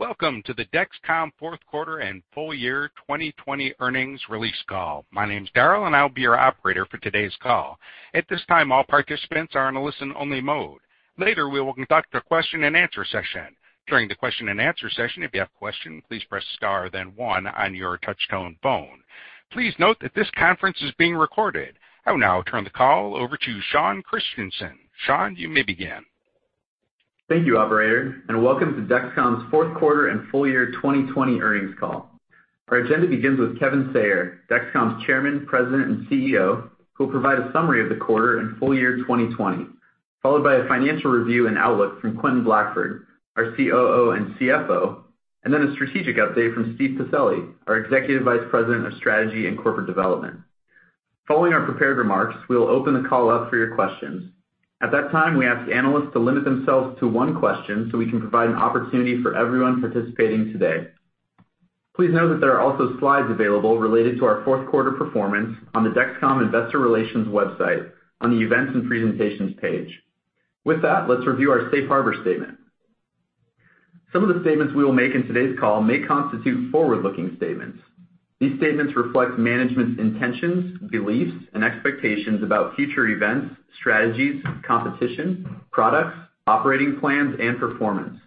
Welcome to the Dexcom Fourth Quarter and Full year 2020 Earnings Release Call. My name's Daryl, and I'll be your operator for today's call. At this time, all participants are on a listen-only mode. Later, we will conduct a question-and-answer session. During the question-and-answer session, if you have a question, please press star then one on your touchtone phone. Please note that this conference is being recorded. I will now turn the call over to Sean Christensen. Sean, you may begin. Thank you, operator, and welcome to Dexcom's Fourth Quarter and Full-Year 2020 Earnings Call. Our agenda begins with Kevin Sayer, Dexcom's Chairman, President, and CEO, who will provide a summary of the quarter and full year 2020, followed by a financial review and outlook from Quentin Blackford, our COO and CFO, and then a strategic update from Steven Pacelli, our Executive Vice President of Strategy and Corporate Development. Following our prepared remarks, we will open the call up for your questions. At that time, we ask analysts to limit themselves to one question so we can provide an opportunity for everyone participating today. Please note that there are also slides available related to our fourth quarter performance on the Dexcom investor relations website on the Events and Presentations Page. With that, let's review our safe harbor statement. Some of the statements we will make in today's call may constitute forward-looking statements. These statements reflect management's intentions, beliefs, and expectations about future events, strategies, competition, products, operating plans, and performance.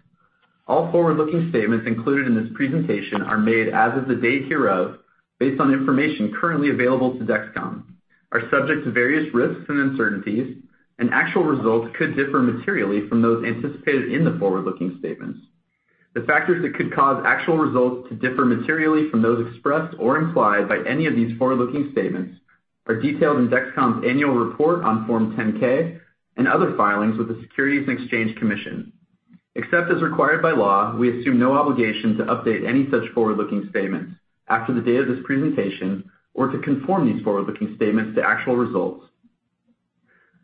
All forward-looking statements included in this presentation are made as of the date hereof based on information currently available to Dexcom, are subject to various risks and uncertainties, and actual results could differ materially from those anticipated in the forward-looking statements. The factors that could cause actual results to differ materially from those expressed or implied by any of these forward-looking statements are detailed in Dexcom's annual report on Form 10-K and other filings with the Securities and Exchange Commission. Except as required by law, we assume no obligation to update any such forward-looking statements after the date of this presentation or to conform these forward-looking statements to actual results.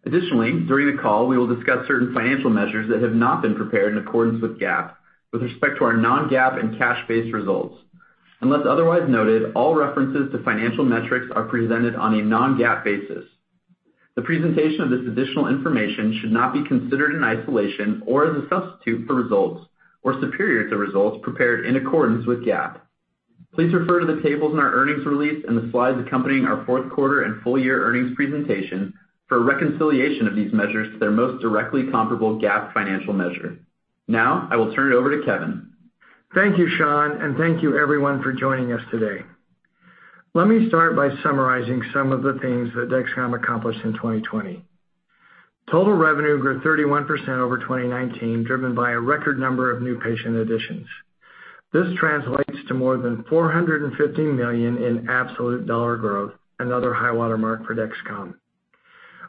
Additionally, during the call, we will discuss certain financial measures that have not been prepared in accordance with GAAP with respect to our non-GAAP and cash-based results. Unless otherwise noted, all references to financial metrics are presented on a non-GAAP basis. The presentation of this additional information should not be considered in isolation or as a substitute for results or superior to results prepared in accordance with GAAP. Please refer to the tables in our earnings release and the slides accompanying our fourth quarter and full-year earnings presentation for a reconciliation of these measures to their most directly comparable GAAP financial measure. Now, I will turn it over to Kevin. Thank you, Sean, and thank you, everyone, for joining us today. Let me start by summarizing some of the things that Dexcom accomplished in 2020. Total revenue grew 31% over 2019, driven by a record number of new patient additions. This translates to more than $450 million in absolute dollar growth, another high-water mark for Dexcom.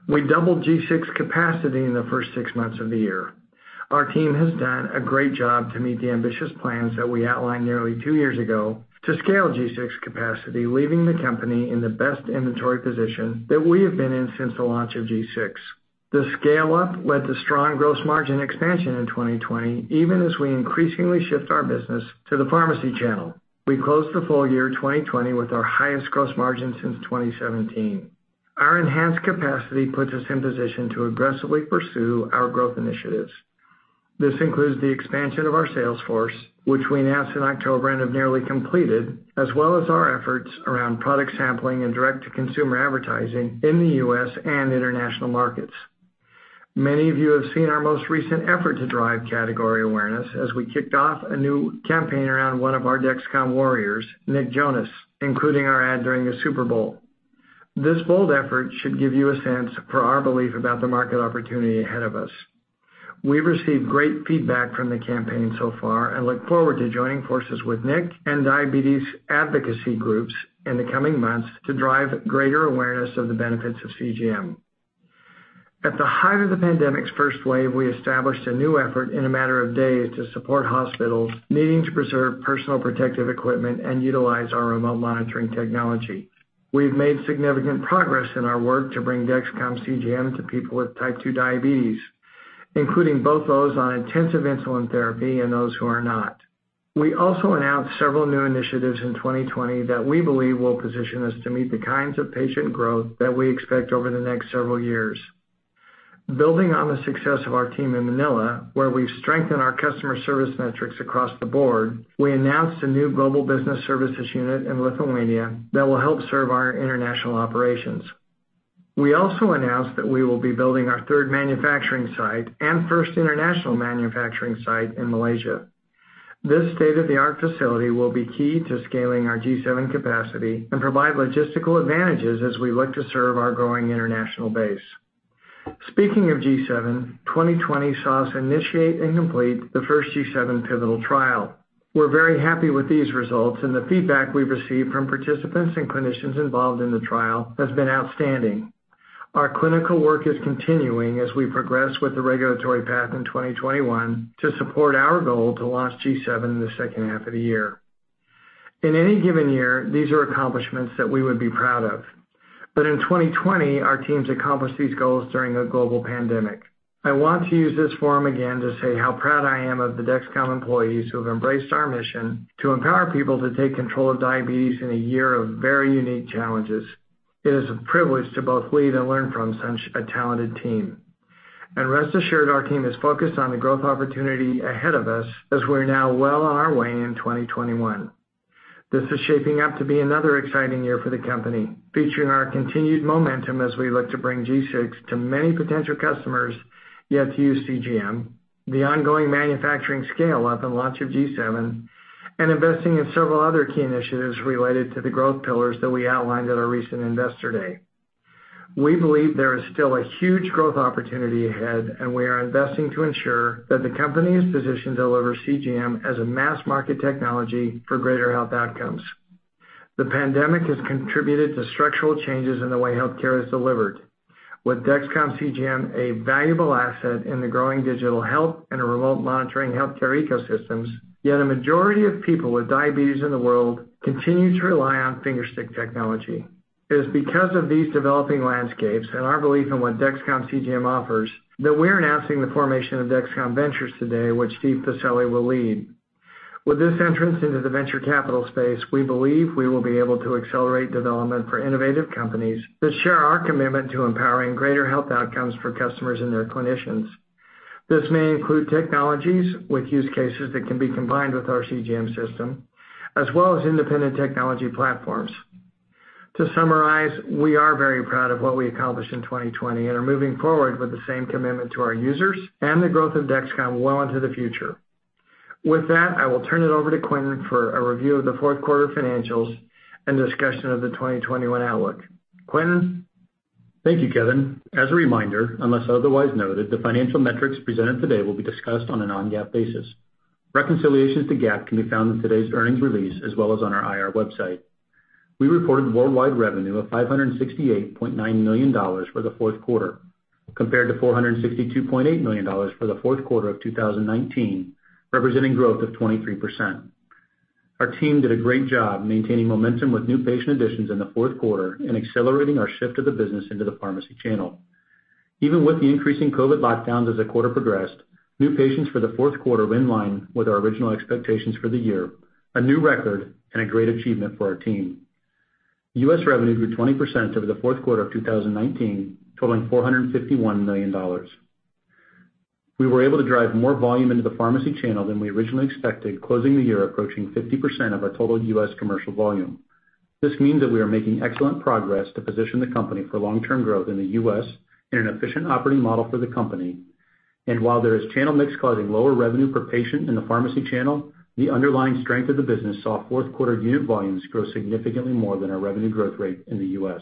We doubled G6 capacity in the first six months of the year. Our team has done a great job to meet the ambitious plans that we outlined nearly two years ago to scale G6 capacity, leaving the company in the best inventory position that we have been in since the launch of G6. The scale-up led to strong gross margin expansion in 2020, even as we increasingly shift our business to the pharmacy channel. We closed the full year 2020 with our highest gross margin since 2017. Our enhanced capacity puts us in position to aggressively pursue our growth initiatives. This includes the expansion of our sales force, which we announced in October and have nearly completed, as well as our efforts around product sampling and direct-to-consumer advertising in the U.S. and international markets. Many of you have seen our most recent effort to drive category awareness as we kicked off a new campaign around one of our Dexcom warriors, Nick Jonas, including our ad during the Super Bowl. This bold effort should give you a sense for our belief about the market opportunity ahead of us. We've received great feedback from the campaign so far and look forward to joining forces with Nick and diabetes advocacy groups in the coming months to drive greater awareness of the benefits of CGM. At the height of the pandemic's first wave, we established a new effort in a matter of days to support hospitals needing to preserve personal protective equipment and utilize our remote monitoring technology. We've made significant progress in our work to bring Dexcom CGM to people with type 2 diabetes, including both those on intensive insulin therapy and those who are not. We also announced several new initiatives in 2020 that we believe will position us to meet the kinds of patient growth that we expect over the next several years. Building on the success of our team in Manila, where we've strengthened our customer service metrics across the board, we announced a new global business services unit in Lithuania that will help serve our international operations. We also announced that we will be building our third manufacturing site and first international manufacturing site in Malaysia. This state-of-the-art facility will be key to scaling our G7 capacity and provide logistical advantages as we look to serve our growing international base. Speaking of G7, 2020 saw us initiate and complete the first G7 pivotal trial. We're very happy with these results, and the feedback we've received from participants and clinicians involved in the trial has been outstanding. Our clinical work is continuing as we progress with the regulatory path in 2021 to support our goal to launch G7 in the second half of the year. In any given year, these are accomplishments that we would be proud of. In 2020, our teams accomplished these goals during a global pandemic. I want to use this forum again to say how proud I am of the Dexcom employees who have embraced our mission to empower people to take control of diabetes in a year of very unique challenges. It is a privilege to both lead and learn from such a talented team. Rest assured our team is focused on the growth opportunity ahead of us as we're now well on our way in 2021. This is shaping up to be another exciting year for the company, featuring our continued momentum as we look to bring G6 to many potential customers yet to use CGM, the ongoing manufacturing scale of the launch of G7, and investing in several other key initiatives related to the growth pillars that we outlined at our recent Investor Day. We believe there is still a huge growth opportunity ahead, and we are investing to ensure that the company is positioned to deliver CGM as a mass-market technology for greater health outcomes. The pandemic has contributed to structural changes in the way healthcare is delivered. With Dexcom CGM a valuable asset in the growing digital health and remote monitoring healthcare ecosystems, yet a majority of people with diabetes in the world continue to rely on finger stick technology. It is because of these developing landscapes and our belief in what Dexcom CGM offers, that we're announcing the formation of Dexcom Ventures today, which Steve Pacelli will lead. With this entrance into the venture capital space, we believe we will be able to accelerate development for innovative companies that share our commitment to empowering greater health outcomes for customers and their clinicians. This may include technologies with use cases that can be combined with our CGM system, as well as independent technology platforms. To summarize, we are very proud of what we accomplished in 2020 and are moving forward with the same commitment to our users and the growth of Dexcom well into the future. With that, I will turn it over to Quentin for a review of the fourth quarter financials and discussion of the 2021 outlook. Quentin? Thank you, Kevin. As a reminder, unless otherwise noted, the financial metrics presented today will be discussed on a non-GAAP basis. Reconciliations to GAAP can be found in today's earnings release as well as on our IR website. We reported worldwide revenue of $568.9 million for the fourth quarter, compared to $462.8 million for the fourth quarter of 2019, representing growth of 23%. Our team did a great job maintaining momentum with new patient additions in the fourth quarter and accelerating our shift of the business into the pharmacy channel. Even with the increasing COVID lockdowns as the quarter progressed, new patients for the fourth quarter were in line with our original expectations for the year, a new record, and a great achievement for our team. U.S. revenue grew 20% over the fourth quarter of 2019, totaling $451 million. We were able to drive more volume into the pharmacy channel than we originally expected, closing the year approaching 50% of our total U.S. commercial volume. This means that we are making excellent progress to position the company for long-term growth in the U.S. in an efficient operating model for the company. While there is channel mix causing lower revenue per patient in the pharmacy channel, the underlying strength of the business saw fourth quarter unit volumes grow significantly more than our revenue growth rate in the U.S.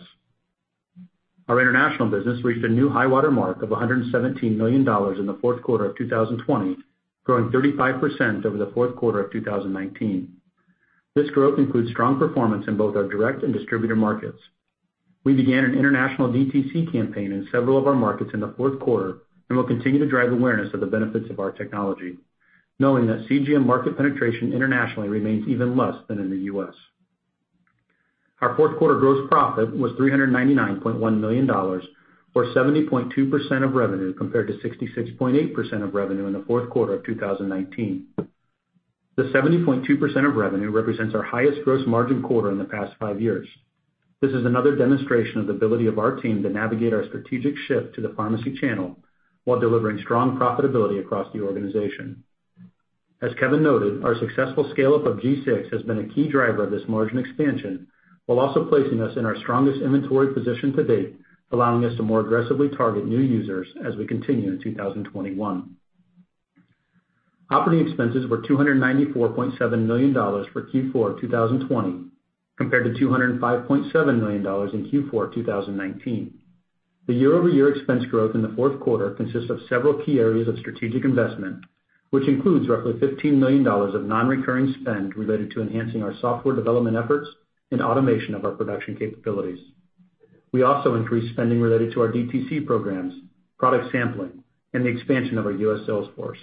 Our international business reached a new high-water mark of $117 million in the fourth quarter of 2020, growing 35% over the fourth quarter of 2019. This growth includes strong performance in both our direct and distributor markets. We began an international DTC campaign in several of our markets in the fourth quarter and will continue to drive awareness of the benefits of our technology, knowing that CGM market penetration internationally remains even less than in the U.S. Our fourth quarter gross profit was $399.1 million, or 70.2% of revenue, compared to 66.8% of revenue in the fourth quarter of 2019. The 70.2% of revenue represents our highest gross margin quarter in the past five years. This is another demonstration of the ability of our team to navigate our strategic shift to the pharmacy channel while delivering strong profitability across the organization. As Kevin noted, our successful scale-up of G6 has been a key driver of this margin expansion while also placing us in our strongest inventory position to date, allowing us to more aggressively target new users as we continue in 2021. Operating expenses were $294.7 million for Q4 2020, compared to $205.7 million in Q4 2019. The year-over-year expense growth in the fourth quarter consists of several key areas of strategic investment, which includes roughly $15 million of non-recurring spend related to enhancing our software development efforts and automation of our production capabilities. We also increased spending related to our DTC programs, product sampling, and the expansion of our U.S. sales force.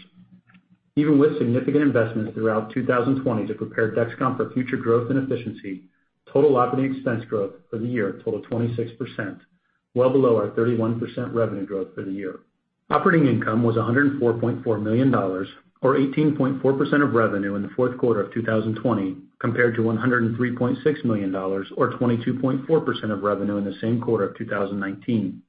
Even with significant investments throughout 2020 to prepare Dexcom for future growth and efficiency, total operating expense growth for the year totaled 26%, well below our 31% revenue growth for the year. Operating income was $104.4 million, or 18.4% of revenue in the fourth quarter of 2020, compared to $103.6 million, or 22.4% of revenue in the same quarter of 2019.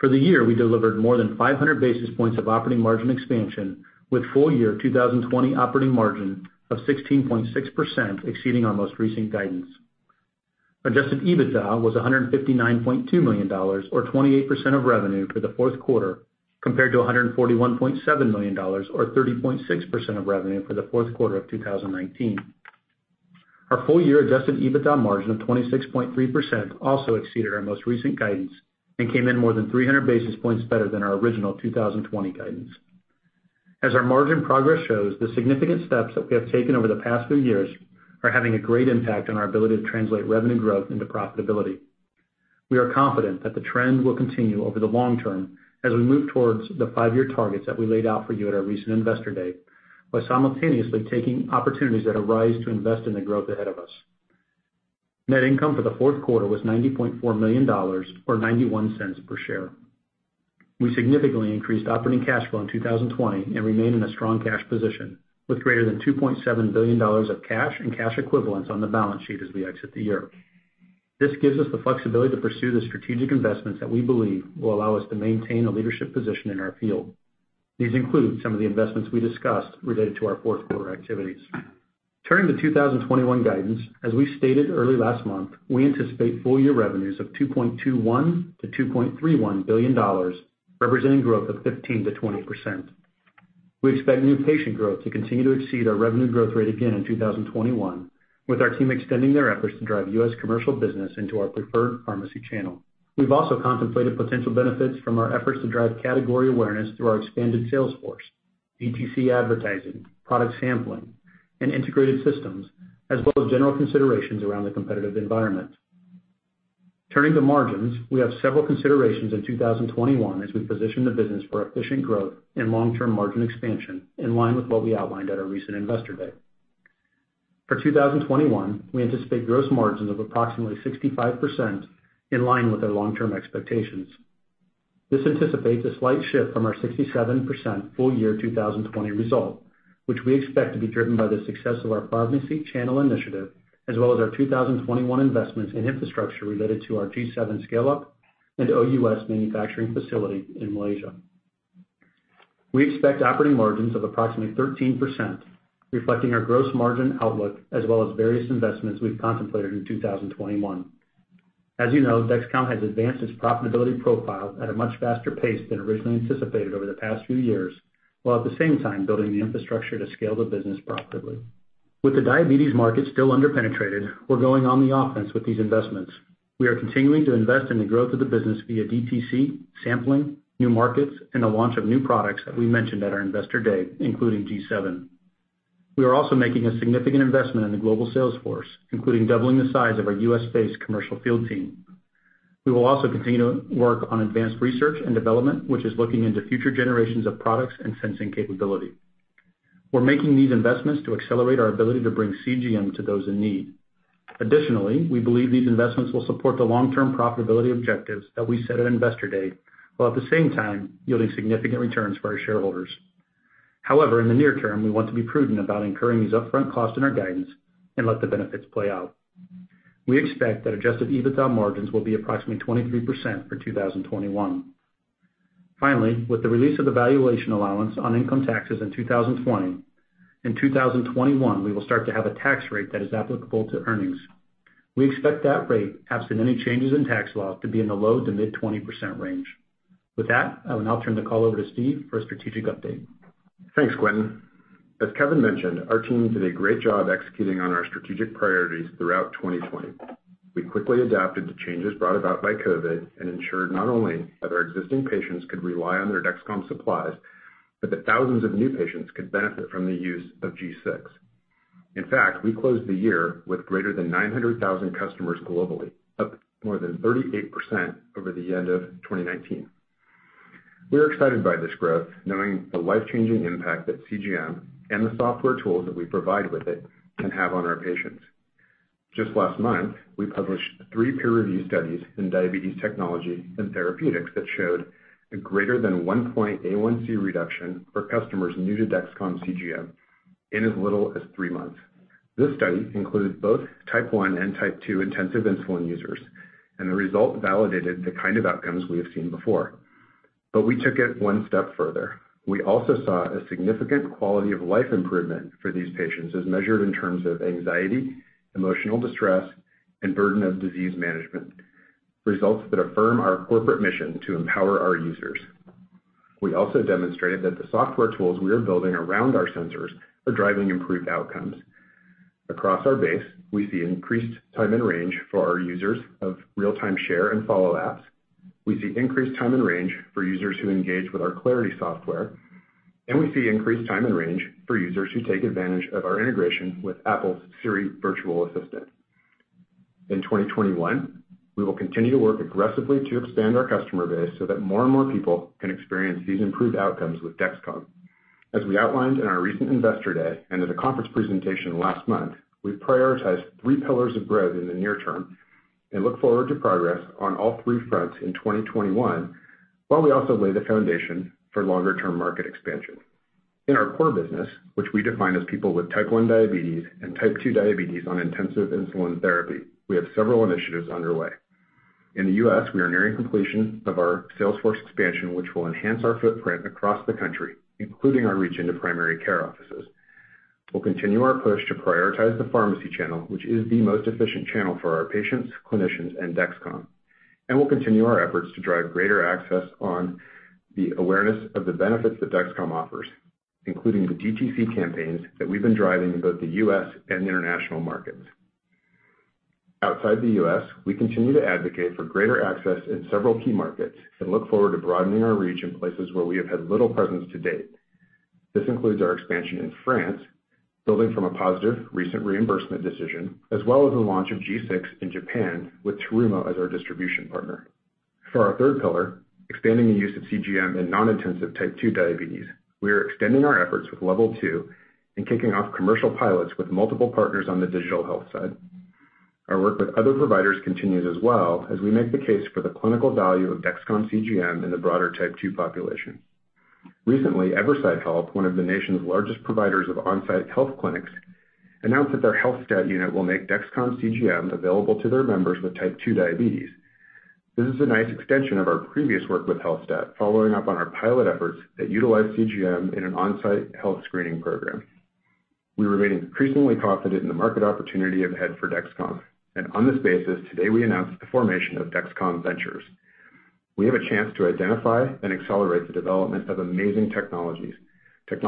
For the year, we delivered more than 500 basis points of operating margin expansion, with full-year 2020 operating margin of 16.6% exceeding our most recent guidance. Adjusted EBITDA was $159.2 million, or 28% of revenue for the fourth quarter, compared to $141.7 million, or 30.6% of revenue for the fourth quarter of 2019. Our full-year adjusted EBITDA margin of 26.3% also exceeded our most recent guidance and came in more than 300 basis points better than our original 2020 guidance. As our margin progress shows, the significant steps that we have taken over the past few years are having a great impact on our ability to translate revenue growth into profitability. We are confident that the trend will continue over the long term as we move towards the five-year targets that we laid out for you at our recent Investor Day while simultaneously taking opportunities that arise to invest in the growth ahead of us. Net income for the fourth quarter was $90.4 million, or $0.91 per share. We significantly increased operating cash flow in 2020 and remain in a strong cash position with greater than $2.7 billion of cash and cash equivalents on the balance sheet as we exit the year. This gives us the flexibility to pursue the strategic investments that we believe will allow us to maintain a leadership position in our field. These include some of the investments we discussed related to our fourth quarter activities. Turning to 2021 guidance, as we stated early last month, we anticipate full year revenues of $2.21 billion-$2.31 billion, representing growth of 15%-20%. We expect new patient growth to continue to exceed our revenue growth rate again in 2021, with our team extending their efforts to drive U.S. commercial business into our preferred pharmacy channel. We've also contemplated potential benefits from our efforts to drive category awareness through our expanded sales force, DTC advertising, product sampling, and integrated systems, as well as general considerations around the competitive environment. Turning to margins, we have several considerations in 2021 as we position the business for efficient growth and long-term margin expansion in line with what we outlined at our recent Investor Day. For 2021, we anticipate gross margins of approximately 65%, in line with our long-term expectations. This anticipates a slight shift from our 67% full year 2020 result, which we expect to be driven by the success of our pharmacy channel initiative, as well as our 2021 investments in infrastructure related to our G7 scale-up and OUS manufacturing facility in Malaysia. We expect operating margins of approximately 13%, reflecting our gross margin outlook, as well as various investments we've contemplated in 2021. As you know, Dexcom has advanced its profitability profile at a much faster pace than originally anticipated over the past few years, while at the same time building the infrastructure to scale the business profitably. With the diabetes market still under-penetrated, we're going on the offense with these investments. We are continuing to invest in the growth of the business via DTC, sampling, new markets, and the launch of new products that we mentioned at our Investor Day, including G7. We are also making a significant investment in the global sales force, including doubling the size of our U.S.-based commercial field team. We will also continue to work on advanced research and development, which is looking into future generations of products and sensing capability. We're making these investments to accelerate our ability to bring CGM to those in need. Additionally, we believe these investments will support the long-term profitability objectives that we set at Investor Day, while at the same time yielding significant returns for our shareholders. However, in the near term, we want to be prudent about incurring these upfront costs in our guidance and let the benefits play out. We expect that adjusted EBITDA margins will be approximately 23% for 2021. Finally, with the release of the valuation allowance on income taxes in 2020, in 2021, we will start to have a tax rate that is applicable to earnings. We expect that rate, absent any changes in tax law, to be in the low to mid-20% range. With that, I will now turn the call over to Steve for a strategic update. Thanks, Quentin. As Kevin mentioned, our team did a great job executing on our strategic priorities throughout 2020. We quickly adapted to changes brought about by COVID and ensured not only that our existing patients could rely on their Dexcom supplies, but that thousands of new patients could benefit from the use of G6. In fact, we closed the year with greater than 900,000 customers globally, up more than 38% over the end of 2019. We are excited by this growth, knowing the life-changing impact that CGM and the software tools that we provide with it can have on our patients. Just last month, we published three peer-reviewed studies in Diabetes Technology & Therapeutics that showed a greater than one-point A1C reduction for customers new to Dexcom CGM in as little as three months. This study included both Type 1 and Type 2 intensive insulin users, and the result validated the kind of outcomes we have seen before. We took it one step further. We also saw a significant quality of life improvement for these patients as measured in terms of anxiety, emotional distress, and burden of disease management, results that affirm our corporate mission to empower our users. We also demonstrated that the software tools we are building around our sensors are driving improved outcomes. Across our base, we see increased time in range for our users of real-time Share and Follow apps, we see increased time in range for users who engage with our Clarity software, and we see increased time in range for users who take advantage of our integration with Apple's Siri virtual assistant. In 2021, we will continue to work aggressively to expand our customer base so that more and more people can experience these improved outcomes with Dexcom. As we outlined in our recent Investor Day and at a conference presentation last month, we've prioritized three pillars of growth in the near term and look forward to progress on all three fronts in 2021, while we also lay the foundation for longer-term market expansion. In our core business, which we define as people with Type 1 diabetes and Type 2 diabetes on intensive insulin therapy, we have several initiatives underway. In the U.S., we are nearing completion of our sales force expansion, which will enhance our footprint across the country, including our reach into primary care offices. We'll continue our push to prioritize the pharmacy channel, which is the most efficient channel for our patients, clinicians, and Dexcom. We'll continue our efforts to drive greater access on the awareness of the benefits that Dexcom offers, including the DTC campaigns that we've been driving in both the U.S. and international markets. Outside the U.S., we continue to advocate for greater access in several key markets and look forward to broadening our reach in places where we have had little presence to date. This includes our expansion in France, building from a positive recent reimbursement decision, as well as the launch of G6 in Japan with Terumo as our distribution partner. For our third pillar, expanding the use of CGM in non-intensive Type 2 diabetes, we are extending our efforts with Level 2 and kicking off commercial pilots with multiple partners on the digital health side. Our work with other providers continues as well as we make the case for the clinical value of Dexcom CGM in the broader Type 2 population. Recently, Everside Health, one of the nation's largest providers of on-site health clinics, announced that their Healthstat unit will make Dexcom CGM available to their members with Type 2 diabetes. This is a nice extension of our previous work with Healthstat, following up on our pilot efforts that utilize CGM in an on-site health screening program. We remain increasingly confident in the market opportunity ahead for Dexcom, on this basis, today we announced the formation of Dexcom Ventures. We have a chance to identify and accelerate the development of amazing technologies that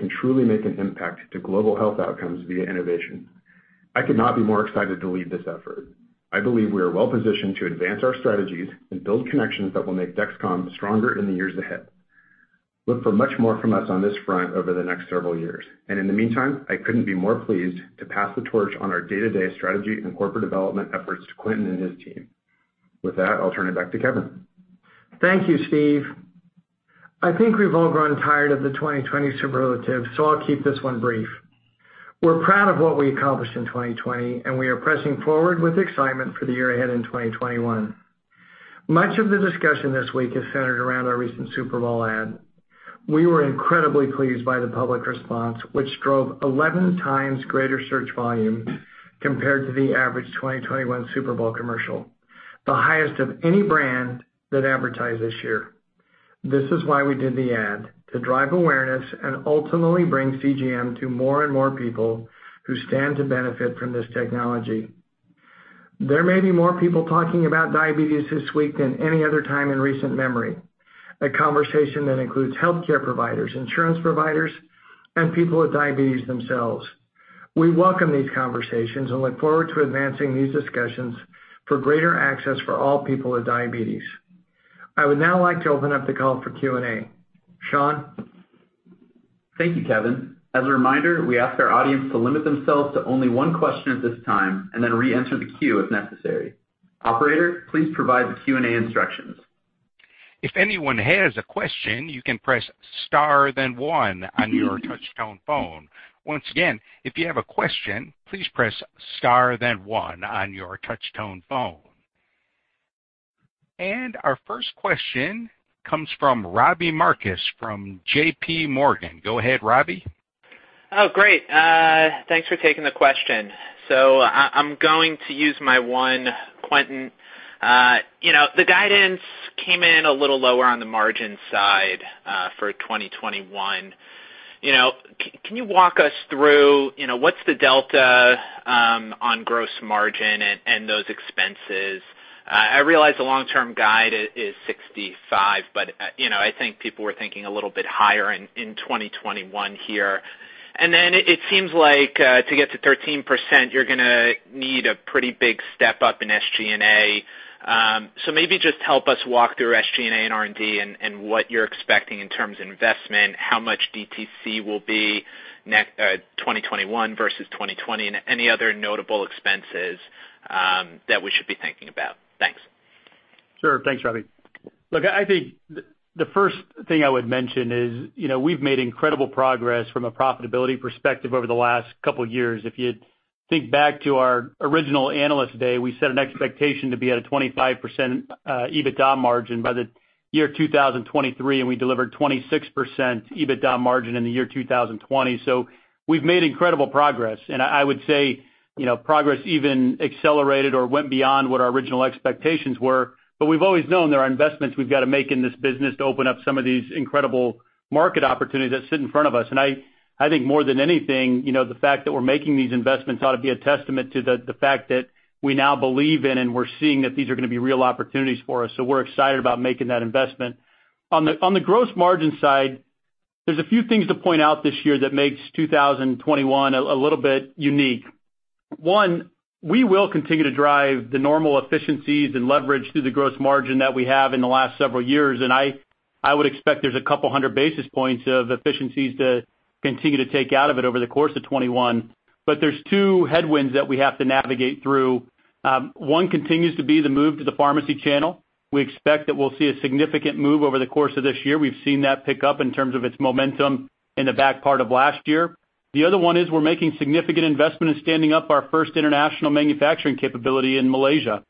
can truly make an impact to global health outcomes via innovation. I could not be more excited to lead this effort. I believe we are well-positioned to advance our strategies and build connections that will make Dexcom stronger in the years ahead. Look for much more from us on this front over the next several years, and in the meantime, I couldn't be more pleased to pass the torch on our day-to-day strategy and corporate development efforts to Quentin and his team. With that, I'll turn it back to Kevin. Thank you, Steve. I think we've all grown tired of the 2020 superlative, so I'll keep this one brief. We're proud of what we accomplished in 2020. We are pressing forward with excitement for the year ahead in 2021. Much of the discussion this week has centered around our recent Super Bowl ad. We were incredibly pleased by the public response, which drove 11x greater search volume compared to the average 2021 Super Bowl commercial, the highest of any brand that advertised this year. This is why we did the ad, to drive awareness and ultimately bring CGM to more and more people who stand to benefit from this technology. There may be more people talking about diabetes this week than any other time in recent memory, a conversation that includes healthcare providers, insurance providers, and people with diabetes themselves. We welcome these conversations and look forward to advancing these discussions for greater access for all people with diabetes. I would now like to open up the call for Q&A. Sean? Thank you, Kevin. As a reminder, we ask our audience to limit themselves to only one question at this time and then reenter the queue if necessary. Operator, please provide the Q&A instructions. If anyone has a question, you can press star then one on your touch tone phone. Once again, if you have a question, please press star then one on your touch tone phone. Our first question comes from Robbie Marcus from JPMorgan. Go ahead, Robbie. Great. Thanks for taking the question. I'm going to use my one, Quentin. The guidance came in a little lower on the margin side for 2021. Can you walk us through what's the delta on gross margin and those expenses? I realize the long-term guide is 65, but I think people were thinking a little bit higher in 2021 here. It seems like to get to 13%, you're going to need a pretty big step up in SG&A. Maybe just help us walk through SG&A and R&D and what you're expecting in terms of investment, how much DTC will be 2021 versus 2020, and any other notable expenses that we should be thinking about. Thanks. Sure. Thanks, Robbie. Look, I think the first thing I would mention is we've made incredible progress from a profitability perspective over the last couple of years. If you think back to our original Analyst Day, we set an expectation to be at a 25% EBITDA margin by the year 2023. We delivered 26% EBITDA margin in the year 2020. We've made incredible progress, I would say progress even accelerated or went beyond what our original expectations were. We've always known there are investments we've got to make in this business to open up some of these incredible market opportunities that sit in front of us. I think more than anything, the fact that we're making these investments ought to be a testament to the fact that we now believe in and we're seeing that these are going to be real opportunities for us. We're excited about making that investment. On the gross margin side, there's a few things to point out this year that makes 2021 a little bit unique. One, we will continue to drive the normal efficiencies and leverage through the gross margin that we have in the last several years. I would expect there's a couple of hundred basis points of efficiencies to continue to take out of it over the course of 2021. There's two headwinds that we have to navigate through. One continues to be the move to the pharmacy channel. We expect that we'll see a significant move over the course of this year. We've seen that pick up in terms of its momentum in the back part of last year. The other one is we're making significant investment in standing up our first international manufacturing capability in Malaysia.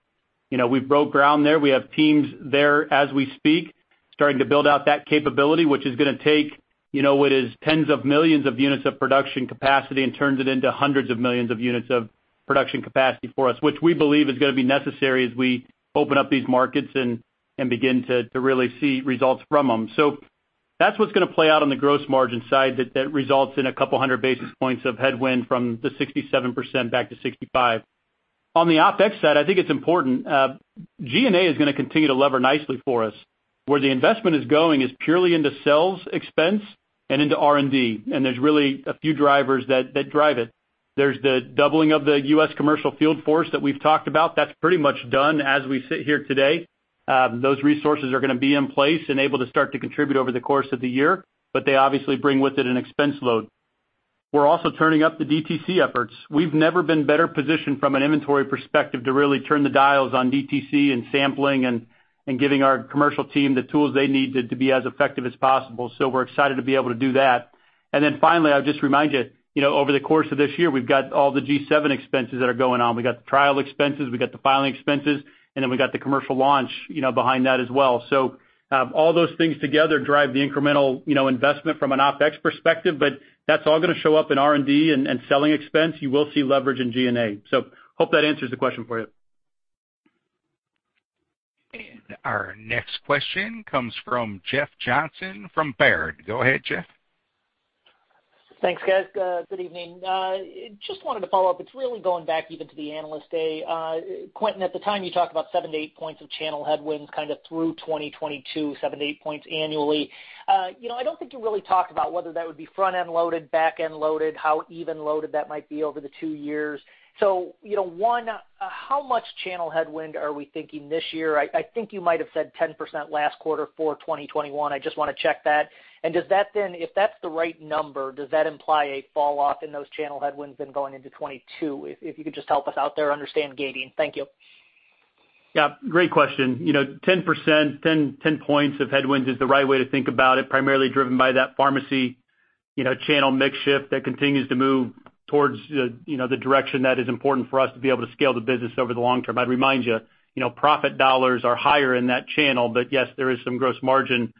We've broke ground there. We have teams there as we speak, starting to build out that capability, which is going to take what is tens of millions of units of production capacity and turns it into hundreds of millions of units of production capacity for us, which we believe is going to be necessary as we open up these markets and begin to really see results from them. That's what's going to play out on the gross margin side that results in a couple of hundred basis points of headwind from the 67% back to 65%. On the OpEx side, I think it's important. G&A is going to continue to lever nicely for us. Where the investment is going is purely into sales expense and into R&D, and there's really a few drivers that drive it. There's the doubling of the U.S. commercial field force that we've talked about. That's pretty much done as we sit here today. Those resources are going to be in place and able to start to contribute over the course of the year, but they obviously bring with it an expense load. We're also turning up the DTC efforts. We've never been better positioned from an inventory perspective to really turn the dials on DTC and sampling and giving our commercial team the tools they need to be as effective as possible. We're excited to be able to do that. Finally, I would just remind you, over the course of this year, we've got all the G7 expenses that are going on. We got the trial expenses, we got the filing expenses, and then we got the commercial launch behind that as well. All those things together drive the incremental investment from an OpEx perspective, but that's all going to show up in R&D and selling expense. You will see leverage in G&A. Hope that answers the question for you. Our next question comes from Jeff Johnson from Baird. Go ahead, Jeff. Thanks, guys. Good evening. Just wanted to follow up. It's really going back even to the Analyst Day. Quentin, at the time you talked about seven to eight points of channel headwinds kind of through 2022, seven to eight points annually. I don't think you really talked about whether that would be front-end loaded, back-end loaded, how even loaded that might be over the two years. One, how much channel headwind are we thinking this year? I think you might have said 10% last quarter for 2021. I just want to check that. If that's the right number, does that imply a fall off in those channel headwinds then going into 2022? If you could just help us out there, understand gating. Thank you. Great question. 10 points of headwinds is the right way to think about it, primarily driven by that pharmacy channel mix shift that continues to move towards the direction that is important for us to be able to scale the business over the long term. I'd remind you, profit dollars are higher in that channel. Yes, there is some gross margin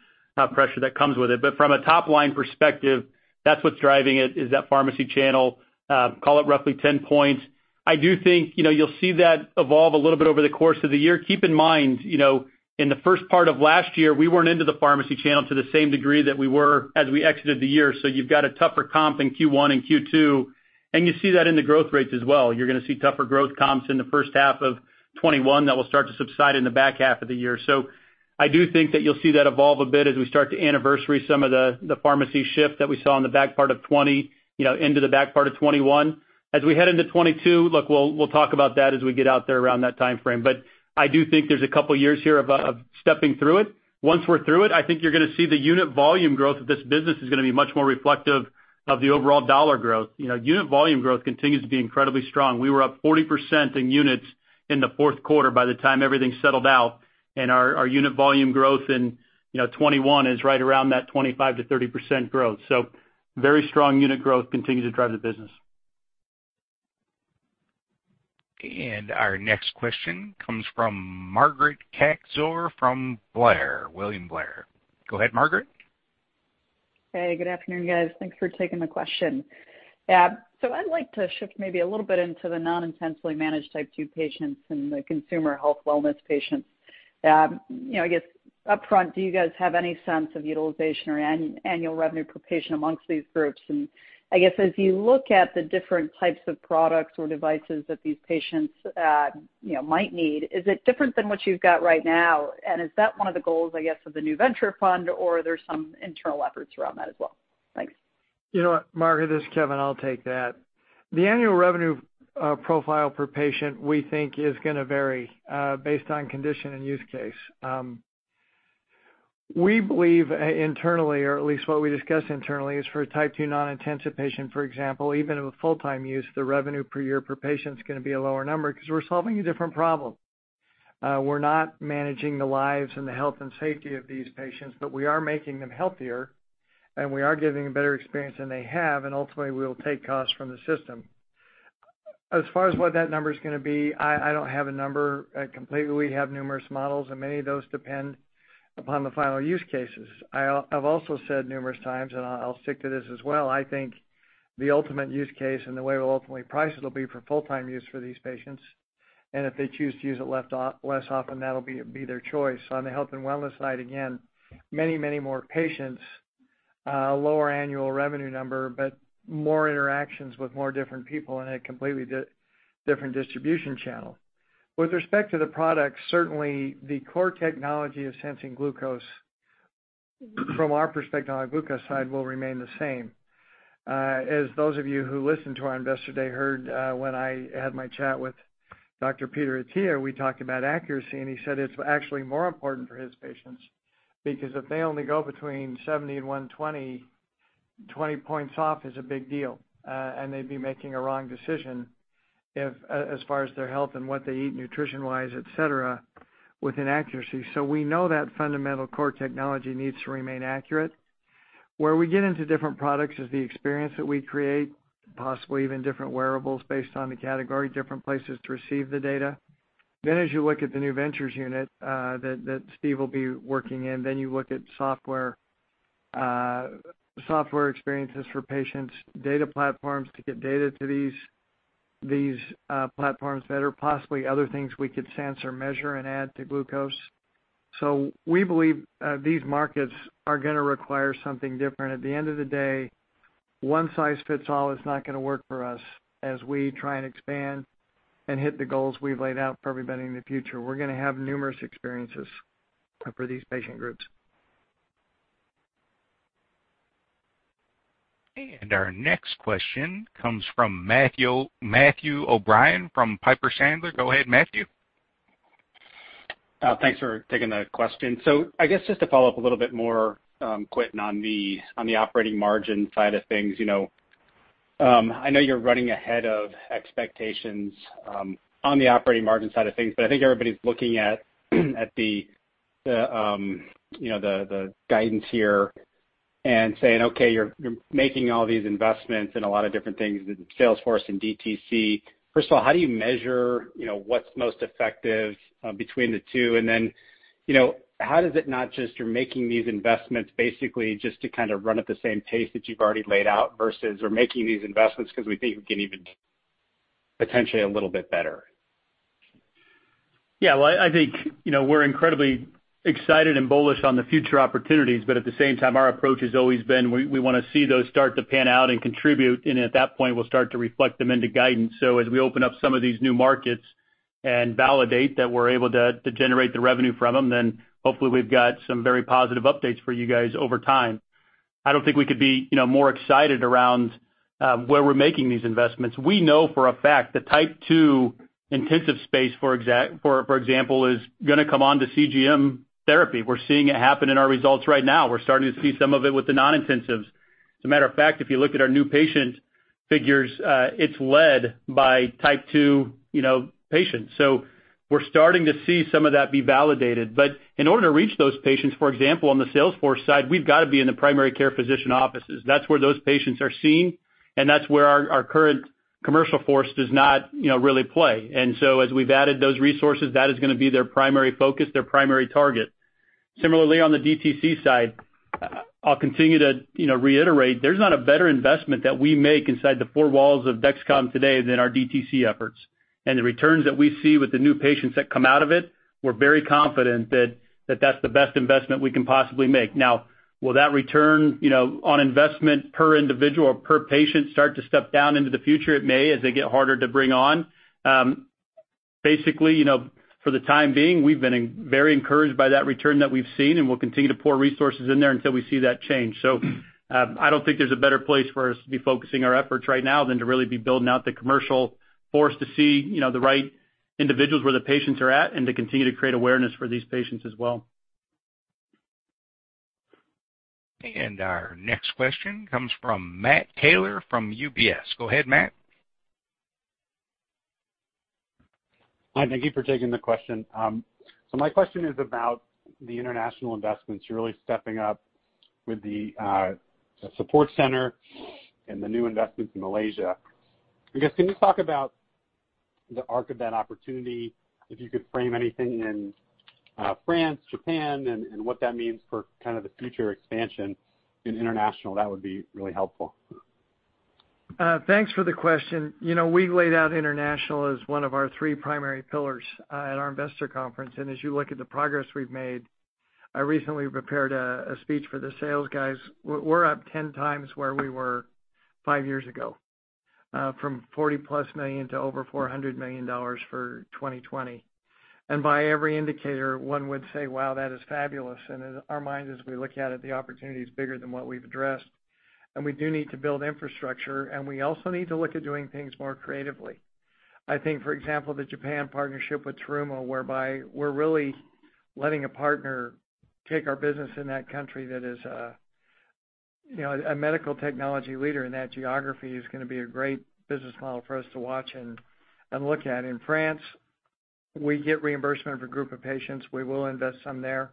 pressure that comes with it. From a top-line perspective, that's what's driving it, is that pharmacy channel. Call it roughly 10 points. I do think you'll see that evolve a little bit over the course of the year. Keep in mind, in the first part of last year, we weren't into the pharmacy channel to the same degree that we were as we exited the year. You've got a tougher comp in Q1 and Q2, and you see that in the growth rates as well. You're going to see tougher growth comps in the first half of 2021 that will start to subside in the back half of the year. I do think that you'll see that evolve a bit as we start to anniversary some of the pharmacy shift that we saw in the back part of 2020 into the back part of 2021. As we head into 2022, look, we'll talk about that as we get out there around that timeframe. I do think there's a couple of years here of stepping through it. Once we're through it, I think you're going to see the unit volume growth of this business is going to be much more reflective of the overall dollar growth. Unit volume growth continues to be incredibly strong. We were up 40% in units in the fourth quarter by the time everything settled out, and our unit volume growth in 2021 is right around that 25%-30% growth. Very strong unit growth continues to drive the business. Our next question comes from Margaret Kaczor from Blair, William Blair. Go ahead, Margaret. Hey, good afternoon, guys. I'd like to shift maybe a little bit into the non-intensively managed type two patients and the consumer health wellness patients. I guess upfront, do you guys have any sense of utilization or annual revenue per patient amongst these groups? I guess as you look at the different types of products or devices that these patients might need, is it different than what you've got right now? Is that one of the goals, I guess, of the new venture fund or are there some internal efforts around that as well? Thanks. You know what, Margaret, this is Kevin. I'll take that. The annual revenue profile per patient, we think is going to vary based on condition and use case. We believe internally, or at least what we discuss internally, is for a type two non-intensive patient, for example, even with full-time use, the revenue per year per patient is going to be a lower number because we're solving a different problem. We're not managing the lives and the health and safety of these patients. We are making them healthier. We are giving a better experience than they have. Ultimately, we will take costs from the system. As far as what that number is going to be, I don't have a number completely. We have numerous models. Many of those depend upon the final use cases. I've also said numerous times, and I'll stick to this as well, I think the ultimate use case and the way we'll ultimately price it will be for full-time use for these patients. If they choose to use it less often, that'll be their choice. On the health and wellness side, again, many more patients, lower annual revenue number, but more interactions with more different people in a completely different distribution channel. With respect to the product, certainly the core technology of sensing glucose from our perspective on the glucose side will remain the same. As those of you who listened to our Investor Day heard when I had my chat with Dr. Peter Attia, we talked about accuracy. He said it's actually more important for his patients because if they only go between 70 and 120, 20 points off is a big deal. They'd be making a wrong decision as far as their health and what they eat nutrition-wise, et cetera, with inaccuracy. We know that fundamental core technology needs to remain accurate. Where we get into different products is the experience that we create, possibly even different wearables based on the category, different places to receive the data. As you look at the new ventures unit that Steve will be working in, then you look at software experiences for patients, data platforms to get data to these platforms better, possibly other things we could sense or measure and add to glucose. We believe these markets are going to require something different. At the end of the day, one size fits all is not going to work for us as we try and expand and hit the goals we've laid out for everybody in the future. We're going to have numerous experiences for these patient groups. Our next question comes from Matthew O'Brien from Piper Sandler. Go ahead, Matthew. Thanks for taking the question. I guess just to follow up a little bit more, Quentin, on the operating margin side of things. I know you're running ahead of expectations on the operating margin side of things, but I think everybody's looking at the guidance here and saying, "Okay, you're making all these investments in a lot of different things in Salesforce and DTC." First of all, how do you measure what's most effective between the two? How does it not just you're making these investments basically just to run at the same pace that you've already laid out versus we're making these investments because we think we can even do potentially a little bit better? Well, I think, we're incredibly excited and bullish on the future opportunities, but at the same time, our approach has always been, we want to see those start to pan out and contribute, and at that point, we'll start to reflect them into guidance. As we open up some of these new markets and validate that we're able to generate the revenue from them, then hopefully we've got some very positive updates for you guys over time. I don't think we could be more excited around where we're making these investments. We know for a fact the type 2 intensive space, for example, is going to come onto CGM therapy. We're seeing it happen in our results right now. We're starting to see some of it with the non-intensives. As a matter of fact, if you look at our new patient figures, it's led by type 2 patients. We're starting to see some of that be validated. In order to reach those patients, for example, on the Salesforce side, we've got to be in the primary care physician offices. That's where those patients are seen, and that's where our current commercial force does not really play. As we've added those resources, that is going to be their primary focus, their primary target. Similarly, on the DTC side, I'll continue to reiterate, there's not a better investment that we make inside the four walls of Dexcom today than our DTC efforts. The returns that we see with the new patients that come out of it, we're very confident that that's the best investment we can possibly make. Now, will that return on investment per individual or per patient start to step down into the future? It may, as they get harder to bring on. Basically, for the time being, we've been very encouraged by that return that we've seen, and we'll continue to pour resources in there until we see that change. I don't think there's a better place for us to be focusing our efforts right now than to really be building out the commercial force to see the right individuals where the patients are at, and to continue to create awareness for these patients as well. Our next question comes from Matt Taylor from UBS. Go ahead, Matt. Hi, thank you for taking the question. My question is about the international investments. You're really stepping up with the support center and the new investments in Malaysia. I guess, can you talk about the arc of that opportunity, if you could frame anything in France, Japan, and what that means for kind of the future expansion in international? That would be really helpful. Thanks for the question. We laid out international as one of our three primary pillars at our investor conference. As you look at the progress we've made, I recently prepared a speech for the sales guys. We're up 10 times where we were five years ago, from $40+ million to over $400 million for 2020. By every indicator, one would say, "Wow, that is fabulous." In our minds, as we look at it, the opportunity is bigger than what we've addressed. We do need to build infrastructure, and we also need to look at doing things more creatively. I think, for example, the Japan partnership with Terumo, whereby we're really letting a partner take our business in that country that is a medical technology leader in that geography, is going to be a great business model for us to watch and look at. In France, we get reimbursement for a group of patients. We will invest some there.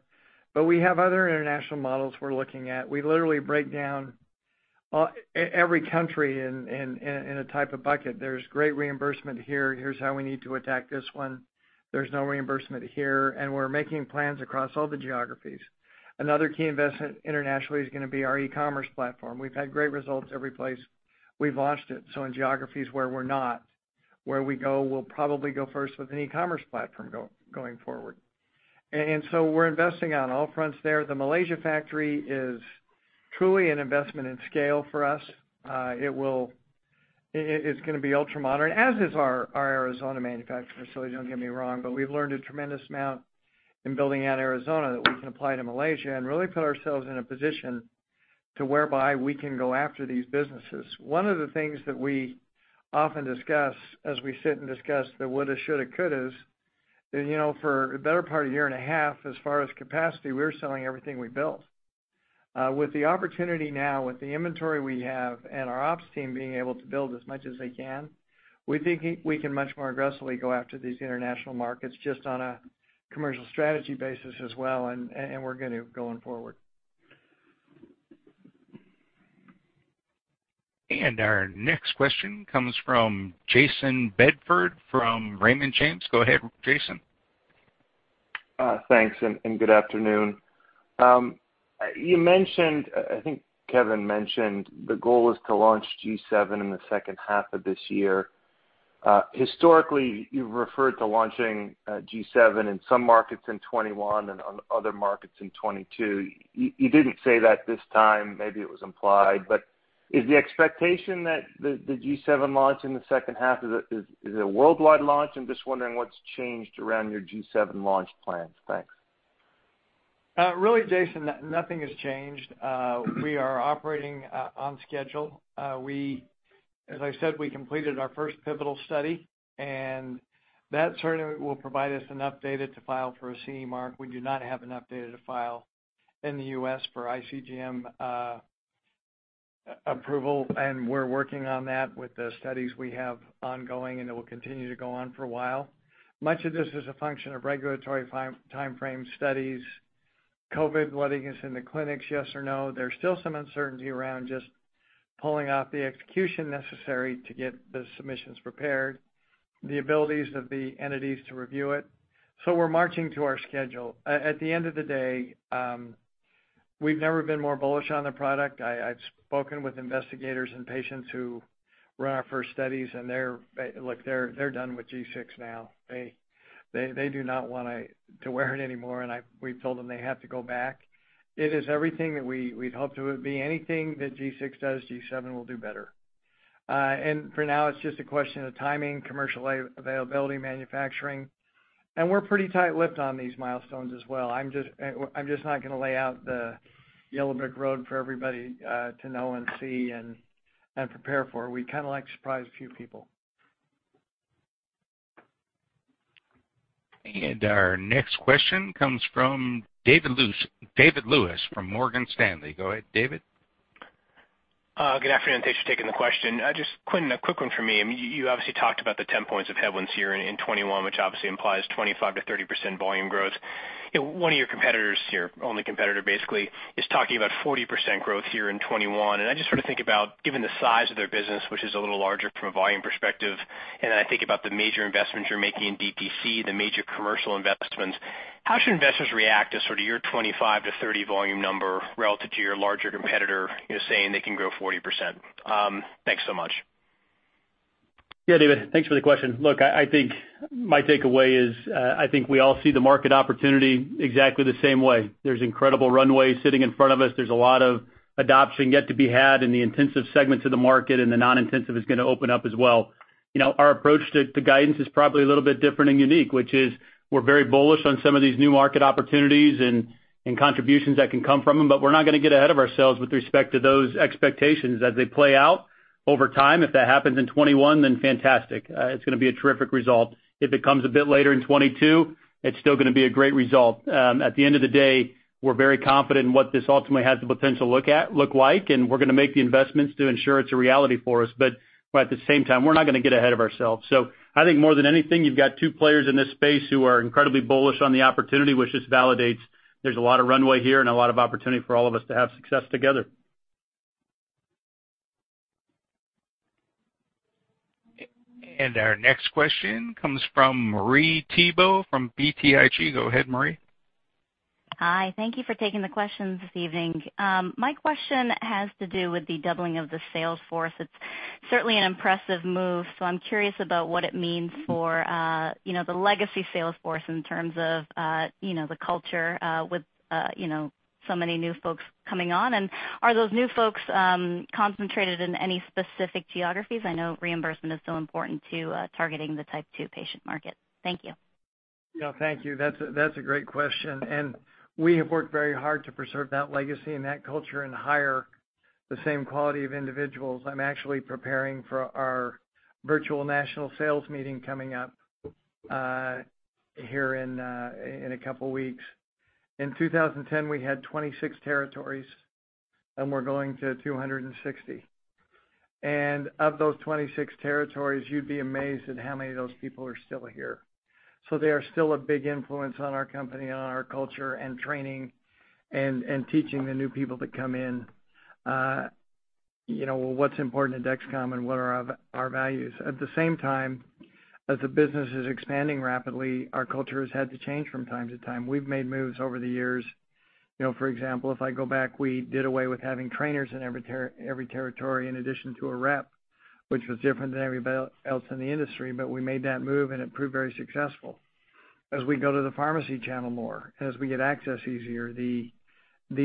We have other international models we're looking at. We literally break down every country in a type of bucket. There's great reimbursement here. Here's how we need to attack this one. There's no reimbursement here. We're making plans across all the geographies. Another key investment internationally is going to be our e-commerce platform. We've had great results every place we've launched it. In geographies where we're not, where we go, we'll probably go first with an e-commerce platform going forward. We're investing on all fronts there. The Malaysia factory is truly an investment in scale for us. It's going to be ultra-modern, as is our Arizona manufacturing facility, don't get me wrong. We've learned a tremendous amount in building out Arizona that we can apply to Malaysia and really put ourselves in a position to whereby we can go after these businesses. One of the things that we often discuss as we sit and discuss the would've, should've, could'ves, for the better part of a year and a half, as far as capacity, we were selling everything we built. With the opportunity now, with the inventory we have and our ops team being able to build as much as they can, we think we can much more aggressively go after these international markets just on a commercial strategy basis as well, and we're going to going forward. Our next question comes from Jayson Bedford from Raymond James. Go ahead, Jayson. Thanks. Good afternoon. You mentioned, I think Kevin mentioned the goal is to launch G7 in the second half of this year. Historically, you've referred to launching G7 in some markets in 2021 and other markets in 2022. You didn't say that this time, maybe it was implied, but is the expectation that the G7 launch in the second half is a worldwide launch? I'm just wondering what's changed around your G7 launch plans. Thanks. Really, Jayson, nothing has changed. We are operating on schedule. As I said, we completed our first pivotal study, and that certainly will provide us enough data to file for a CE mark. We do not have enough data to file In the U.S. for iCGM approval. We're working on that with the studies we have ongoing. It will continue to go on for a while. Much of this is a function of regulatory timeframe studies. COVID letting us in the clinics, yes or no. There's still some uncertainty around just pulling off the execution necessary to get the submissions prepared, the abilities of the entities to review it. We're marching to our schedule. At the end of the day, we've never been more bullish on the product. I've spoken with investigators and patients who run our first studies. They're done with G6 now. They do not want to wear it anymore. We've told them they have to go back. It is everything that we'd hoped it would be. Anything that G6 does, G7 will do better. For now, it's just a question of timing, commercial availability, manufacturing, and we're pretty tight-lipped on these milestones as well. I'm just not going to lay out the yellow brick road for everybody to know and see and prepare for. We kind of like to surprise a few people. Our next question comes from David Lewis from Morgan Stanley. Go ahead, David. Good afternoon. Thanks for taking the question. Just, Kevin, a quick one for me. You obviously talked about the 10 points of headwinds here in 2021, which obviously implies 25%-30% volume growth. One of your competitors here, only competitor basically, is talking about 40% growth here in 2021. I just sort of think about, given the size of their business, which is a little larger from a volume perspective, then I think about the major investments you're making in DTC, the major commercial investments. How should investors react to sort of your 25%-30% volume number relative to your larger competitor saying they can grow 40%? Thanks so much. Yeah, David, thanks for the question. Look, I think my takeaway is I think we all see the market opportunity exactly the same way. There's incredible runway sitting in front of us. There's a lot of adoption yet to be had in the intensive segments of the market, and the non-intensive is going to open up as well. Our approach to guidance is probably a little bit different and unique, which is we're very bullish on some of these new market opportunities and contributions that can come from them, but we're not going to get ahead of ourselves with respect to those expectations as they play out over time. If that happens in 2021, then it will be fantastic. It's going to be a terrific result. If it comes a bit later in 2022, it's still going to be a great result. At the end of the day, we're very confident in what this ultimately has the potential look like, and we're going to make the investments to ensure it's a reality for us. At the same time, we're not going to get ahead of ourselves. I think more than anything, you've got two players in this space who are incredibly bullish on the opportunity, which just validates there's a lot of runway here and a lot of opportunity for all of us to have success together. Our next question comes from Marie Thibault from BTIG. Go ahead, Marie. Hi. Thank you for taking the questions this evening. My question has to do with the doubling of the sales force. It's certainly an impressive move, so I'm curious about what it means for the legacy sales force in terms of the culture with so many new folks coming on. Are those new folks concentrated in any specific geographies? I know reimbursement is so important to targeting the Type 2 patient market. Thank you. No, thank you. That's a great question. We have worked very hard to preserve that legacy and that culture and hire the same quality of individuals. I'm actually preparing for our virtual national sales meeting coming up here in a couple of weeks. In 2010, we had 26 territories, and we're going to 260. Of those 26 territories, you'd be amazed at how many of those people are still here. They are still a big influence on our company and on our culture and training and teaching the new people that come in what's important to Dexcom and what are our values. At the same time as the business is expanding rapidly, our culture has had to change from time to time. We've made moves over the years. For example, if I go back, we did away with having trainers in every territory in addition to a rep, which was different than everybody else in the industry, but we made that move, and it proved very successful. As we go to the pharmacy channel more, as we get access easier, the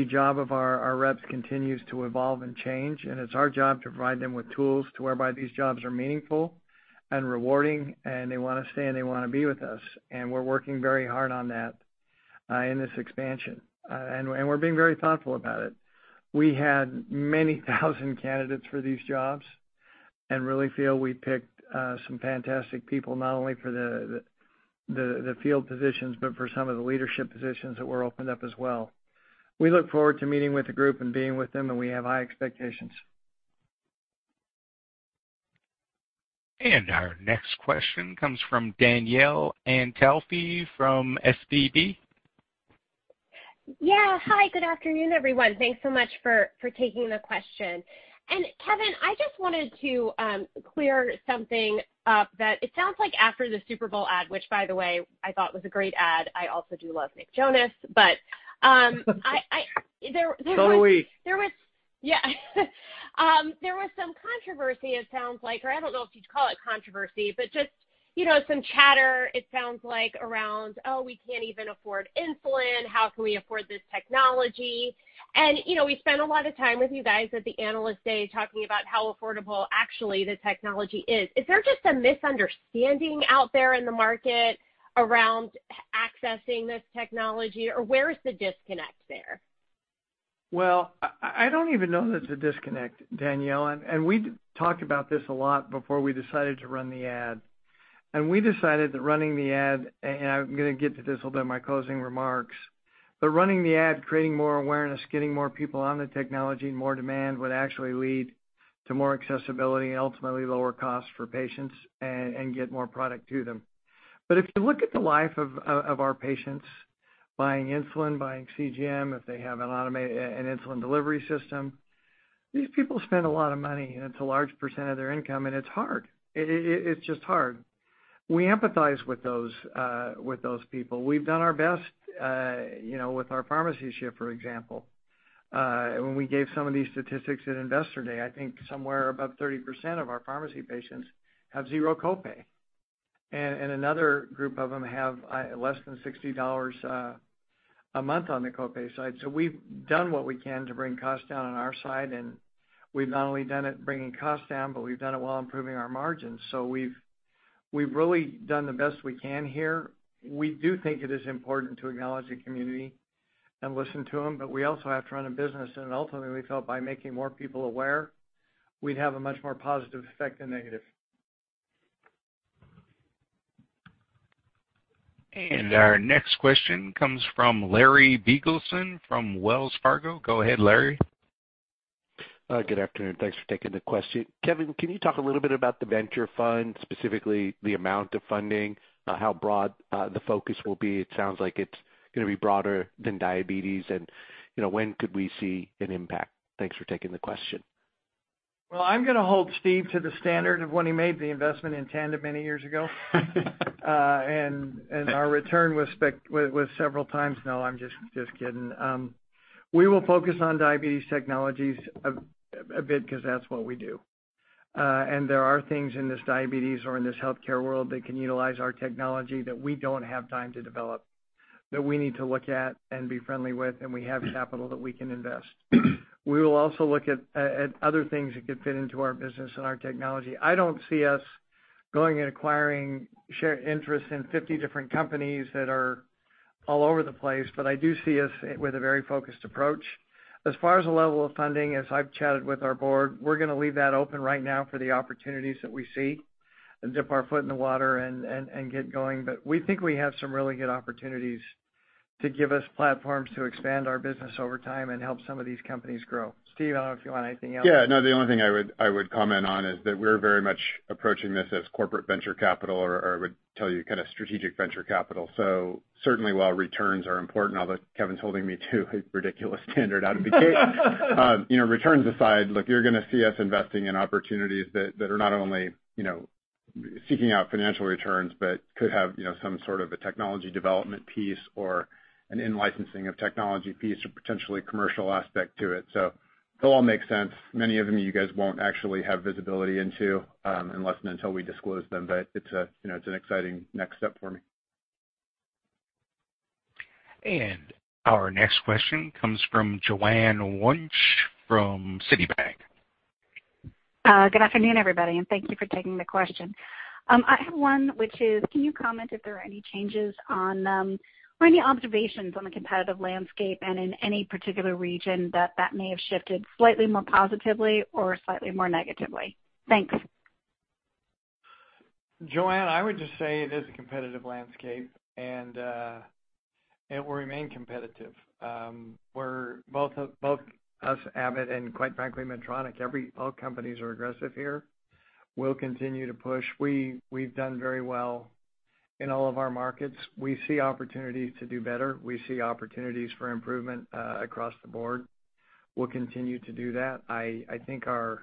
job of our reps continues to evolve and change, and it's our job to provide them with tools to whereby these jobs are meaningful and rewarding, and they want to stay, and they want to be with us. We're working very hard on that in this expansion. We're being very thoughtful about it. We had many thousand candidates for these jobs and really feel we picked some fantastic people, not only for the field positions but for some of the leadership positions that were opened up as well. We look forward to meeting with the group and being with them, and we have high expectations. Our next question comes from Danielle Antalffy from SVB. Yeah. Hi. Good afternoon, everyone. Thanks so much for taking the question. Kevin, I just wanted to clear something up that it sounds like after the Super Bowl ad, which by the way I thought was a great ad. I also do love Nick Jonas. Do we. There was some controversy, it sounds like, or I don't know if you'd call it controversy, but just some chatter, it sounds like, around, "Oh, we can't even afford insulin. How can we afford this technology?" We spent a lot of time with you guys at the Analyst Day talking about how affordable actually the technology is. Is there just a misunderstanding out there in the market around accessing this technology? Where is the disconnect there? Well, I don't even know that it's a disconnect, Danielle. We talked about this a lot before we decided to run the ad. We decided that running the ad, and I'm going to get to this a little bit in my closing remarks, but running the ad, creating more awareness, getting more people on the technology, more demand, would actually lead to more accessibility and ultimately lower costs for patients and get more product to them. If you look at the life of our patients buying insulin, buying CGM, if they have an insulin delivery system, these people spend a lot of money, and it's a large percentage of their income, and it's hard. It's just hard. We empathize with those people. We've done our best with our pharmacy shift, for example. When we gave some of these statistics at Investor Day, I think somewhere above 30% of our pharmacy patients have zero copay. Another group of them have less than $60 a month on the copay side. We've done what we can to bring costs down on our side, and we've not only done it bringing costs down, but we've done it while improving our margins. We've really done the best we can here. We do think it is important to acknowledge the community and listen to them, but we also have to run a business. Ultimately, we felt by making more people aware, we'd have a much more positive effect than negative. Our next question comes from Larry Biegelsen from Wells Fargo. Go ahead, Larry. Good afternoon. Thanks for taking the question. Kevin, can you talk a little bit about the venture fund, specifically the amount of funding, how broad the focus will be? It sounds like it's going to be broader than diabetes, and when could we see an impact? Thanks for taking the question. Well, I'm going to hold Steve to the standard of when he made the investment in Tandem many years ago. Our return was several times No, I'm just kidding. We will focus on diabetes technologies a bit because that's what we do. There are things in this diabetes or in this healthcare world that can utilize our technology that we don't have time to develop, that we need to look at and be friendly with, and we have capital that we can invest. We will also look at other things that could fit into our business and our technology. I don't see us going and acquiring shared interests in 50 different companies that are all over the place, but I do see us with a very focused approach. As far as the level of funding, as I've chatted with our board, we're going to leave that open right now for the opportunities that we see and dip our foot in the water and get going. We think we have some really good opportunities to give us platforms to expand our business over time and help some of these companies grow. Steve, I don't know if you want anything else. Yeah. No, the only thing I would comment on is that we're very much approaching this as corporate venture capital or I would tell you strategic venture capital. Certainly while returns are important, although Kevin's holding me to a ridiculous standard out of the gate. Returns aside, look, you're going to see us investing in opportunities that are not only seeking out financial returns but could have some sort of a technology development piece or an in-licensing of technology piece or potentially commercial aspect to it. It'll all make sense. Many of them you guys won't actually have visibility into, unless and until we disclose them. It's an exciting next step for me. Our next question comes from Joanne Wuensch from Citi. Good afternoon, everybody. Thank you for taking the question. I have one which is, can you comment if there are any changes on or any observations on the competitive landscape and in any particular region that may have shifted slightly more positively or slightly more negatively? Thanks. Joanne, I would just say it is a competitive landscape, and it will remain competitive. Both us, Abbott, and quite frankly, Medtronic, all companies are aggressive here. We'll continue to push. We've done very well in all of our markets. We see opportunities to do better. We see opportunities for improvement across the board. We'll continue to do that. I think our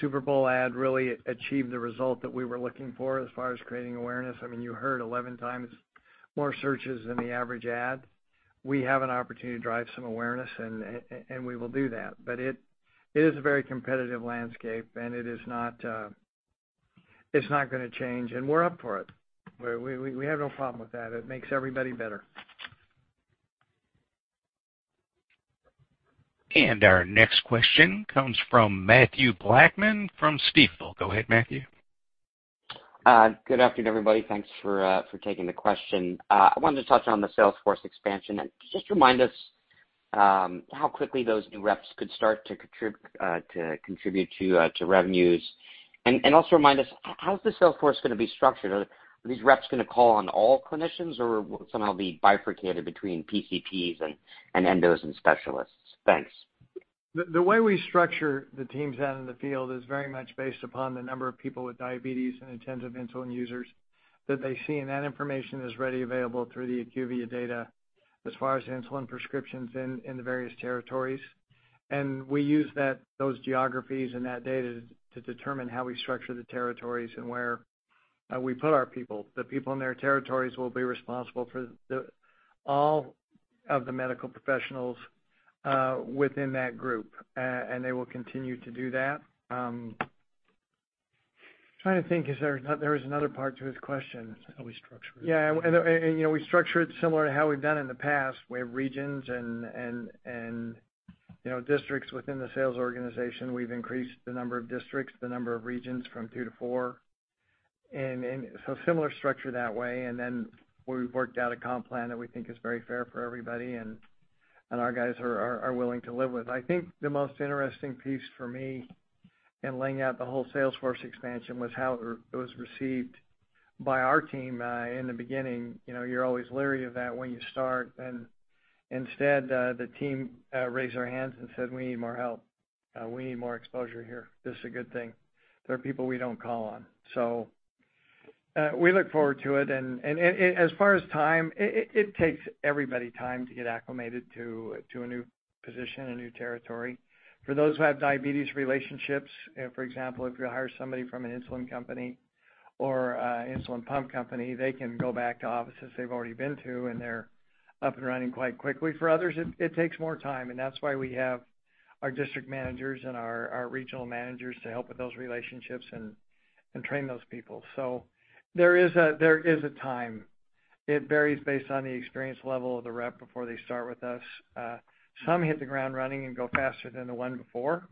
Super Bowl ad really achieved the result that we were looking for as far as creating awareness. You heard 11 times more searches than the average ad. We have an opportunity to drive some awareness, and we will do that. It is a very competitive landscape, and it's not going to change, and we're up for it. We have no problem with that. It makes everybody better. Our next question comes from Mathew Blackman from Stifel. Go ahead, Matthew. Good afternoon, everybody. Thanks for taking the question. I wanted to touch on the sales force expansion. Could you just remind us how quickly those new reps could start to contribute to revenues? Also remind us, how is the sales force going to be structured? Are these reps going to call on all clinicians or somehow be bifurcated between PCPs and endos and specialists? Thanks. The way we structure the teams out in the field is very much based upon the number of people with diabetes and intensive insulin users that they see, and that information is readily available through the IQVIA data as far as insulin prescriptions in the various territories. We use those geographies and that data to determine how we structure the territories and where we put our people. The people in their territories will be responsible for all of the medical professionals within that group, and they will continue to do that. I'm trying to think. There was another part to his question. How we structure it? Yeah. We structure it similar to how we've done in the past. We have regions and districts within the sales organization. We've increased the number of districts, the number of regions from two to four. Similar structure that way, and then we've worked out a comp plan that we think is very fair for everybody, and our guys are willing to live with. I think the most interesting piece for me in laying out the whole sales force expansion was how it was received by our team in the beginning. You're always leery of that when you start. Instead, the team raised their hands and said, "We need more help. We need more exposure here. This is a good thing. There are people we don't call on." We look forward to it. As far as time, it takes everybody time to get acclimated to a new position, a new territory. For those who have diabetes relationships, for example, if you hire somebody from an insulin company or insulin pump company, they can go back to offices they've already been to, and they're up and running quite quickly. For others, it takes more time, and that's why we have our district managers and our regional managers to help with those relationships and train those people. There is a time. It varies based on the experience level of the rep before they start with us. Some hit the ground running and go faster than the one before.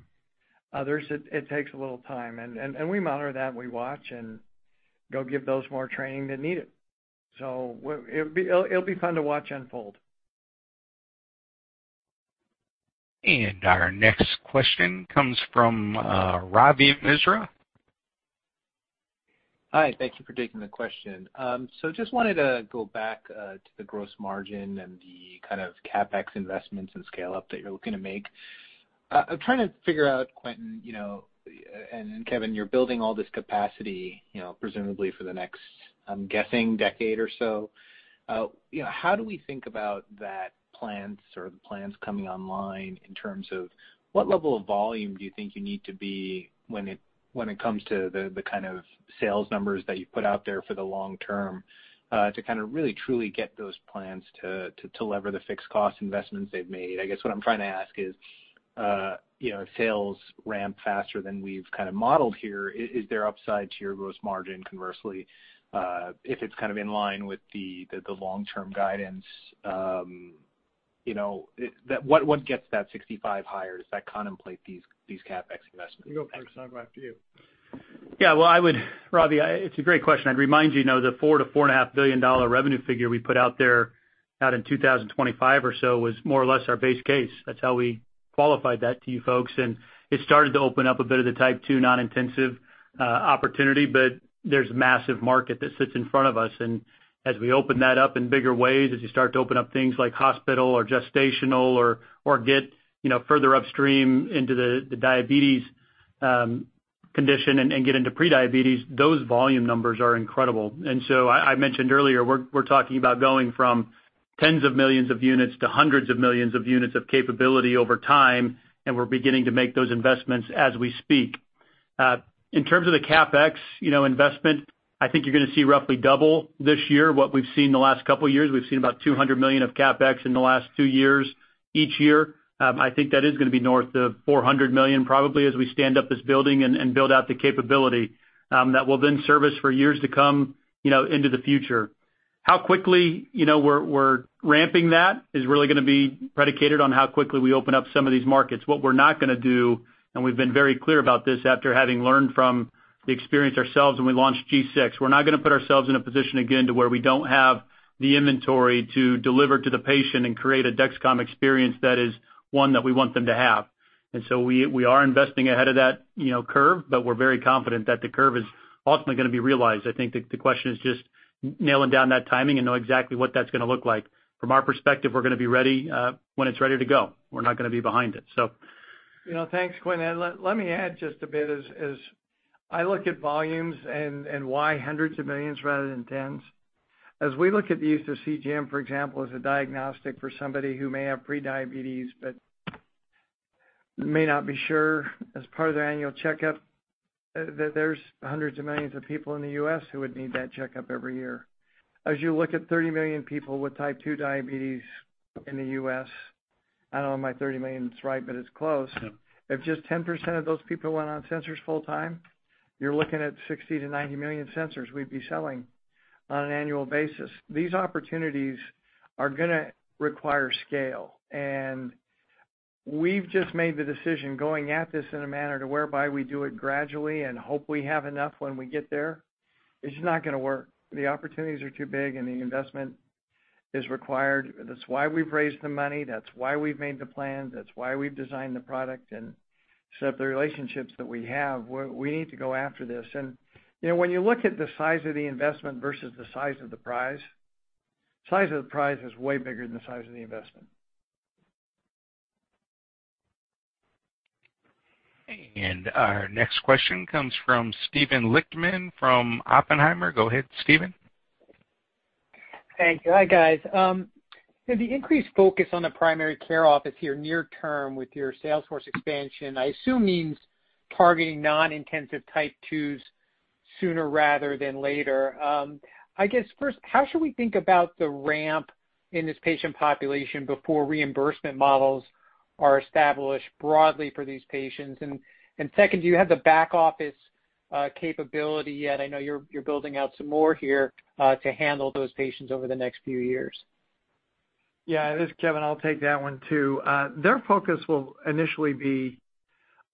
Others, it takes a little time, and we monitor that, and we watch, and go give those more training that need it. It'll be fun to watch unfold. Our next question comes from Ravi Misra. Hi. Thank you for taking the question. Just wanted to go back to the gross margin and the kind of CapEx investments and scale up that you're looking to make. I'm trying to figure out, Quentin and Kevin, you're building all this capacity, presumably for the next, I'm guessing, decade or so. How do we think about that plans or the plans coming online in terms of what level of volume do you think you need to be when it comes to the kind of sales numbers that you put out there for the long term to kind of really truly get those plans to lever the fixed cost investments they've made? I guess what I'm trying to ask is, if sales ramp faster than we've kind of modeled here, is there upside to your gross margin conversely? If it's kind of in line with the long-term guidance, what gets that 65 higher? Does that contemplate these CapEx investments? You go first, and I'll go after you. Yeah. Ravi, it's a great question. I'd remind you now the $4 billion-$4.5 billion revenue figure we put out there out in 2025 or so was more or less our base case. That's how we qualified that to you folks, it started to open up a bit of the Type 2 non-intensive opportunity, there's massive market that sits in front of us. As we open that up in bigger ways, as you start to open up things like hospital or gestational or get further upstream into the diabetes condition and get into pre-diabetes, those volume numbers are incredible. I mentioned earlier, we're talking about going from tens of millions of units to hundreds of millions of units of capability over time, we're beginning to make those investments as we speak. In terms of the CapEx investment, I think you're going to see roughly double this year what we've seen in the last couple of years. We've seen about $200 million of CapEx in the last two years, each year. I think that is going to be north of $400 million, probably, as we stand up this building and build out the capability that will then service for years to come into the future. How quickly we're ramping that is really going to be predicated on how quickly we open up some of these markets. What we're not going to do, we've been very clear about this after having learned from the experience ourselves when we launched G6, we're not going to put ourselves in a position again to where we don't have the inventory to deliver to the patient and create a Dexcom experience that is one that we want them to have. We are investing ahead of that curve, we're very confident that the curve is ultimately going to be realized. I think the question is just nailing down that timing and know exactly what that's going to look like. From our perspective, we're going to be ready when it's ready to go. We're not going to be behind it. Thanks, Quentin. Let me add just a bit. As I look at volumes and why hundreds of millions rather than tens. As we look at the use of CGM, for example, as a diagnostic for somebody who may have pre-diabetes but may not be sure as part of their annual checkup, there's hundreds of millions of people in the U.S. who would need that checkup every year. As you look at 30 million people with Type 2 diabetes in the U.S., I don't know if my 30 million is right, but it's close. Yeah. If just 10% of those people went on sensors full time, you're looking at 60 million-90 million sensors we'd be selling on an annual basis. These opportunities are going to require scale. We've just made the decision going at this in a manner to whereby we do it gradually and hope we have enough when we get there. It's just not going to work. The opportunities are too big, and the investment is required. That's why we've raised the money, that's why we've made the plan, that's why we've designed the product and set up the relationships that we have. We need to go after this. When you look at the size of the investment versus the size of the prize, size of the prize is way bigger than the size of the investment. Our next question comes from Steven Lichtman from Oppenheimer. Go ahead, Steven. Thank you. Hi, guys. The increased focus on the primary care office here near term with your sales force expansion, I assume means targeting non-intensive Type 2s sooner rather than later. I guess first, how should we think about the ramp in this patient population before reimbursement models are established broadly for these patients? Second, do you have the back office capability yet? I know you're building out some more here to handle those patients over the next few years. Yeah, this is Kevin. I'll take that one too. Their focus will initially be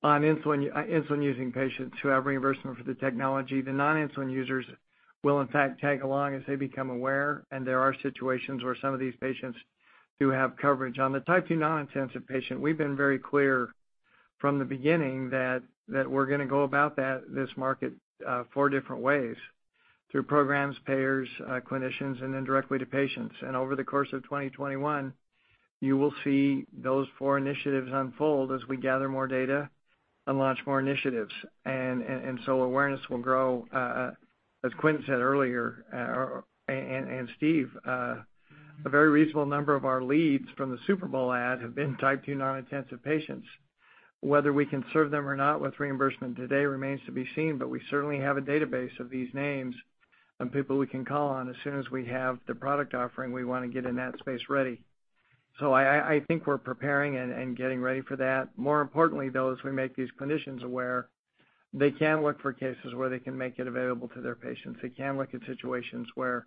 on insulin-using patients who have reimbursement for the technology. The non-insulin users will in fact tag along as they become aware, and there are situations where some of these patients do have coverage. On the type 2 non-intensive patient, we've been very clear from the beginning that we're going to go about this market four different ways: through programs, payers, clinicians, and then directly to patients. Over the course of 2021, you will see those four initiatives unfold as we gather more data and launch more initiatives. Awareness will grow. As Quentin said earlier, and Steve, a very reasonable number of our leads from the Super Bowl ad have been type 2 non-intensive patients. Whether we can serve them or not with reimbursement today remains to be seen. We certainly have a database of these names and people we can call on. As soon as we have the product offering, we want to get in that space ready. I think we're preparing and getting ready for that. More importantly, though, as we make these clinicians aware, they can look for cases where they can make it available to their patients. They can look at situations where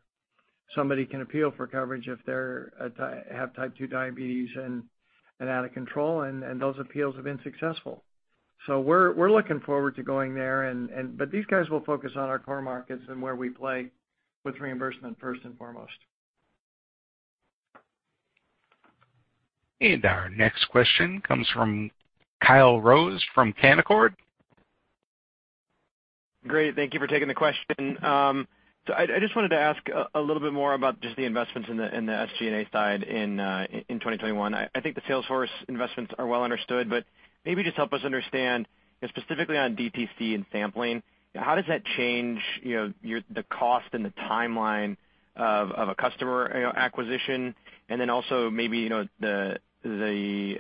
somebody can appeal for coverage if they have type 2 diabetes and out of control. Those appeals have been successful. We're looking forward to going there. These guys will focus on our core markets and where we play with reimbursement first and foremost. Our next question comes from Kyle Rose from Canaccord. Great. Thank you for taking the question. I just wanted to ask a little bit more about just the investments in the SG&A side in 2021. I think the sales force investments are well understood, but maybe just help us understand, specifically on DTC and sampling, how does that change the cost and the timeline of a customer acquisition and then also maybe the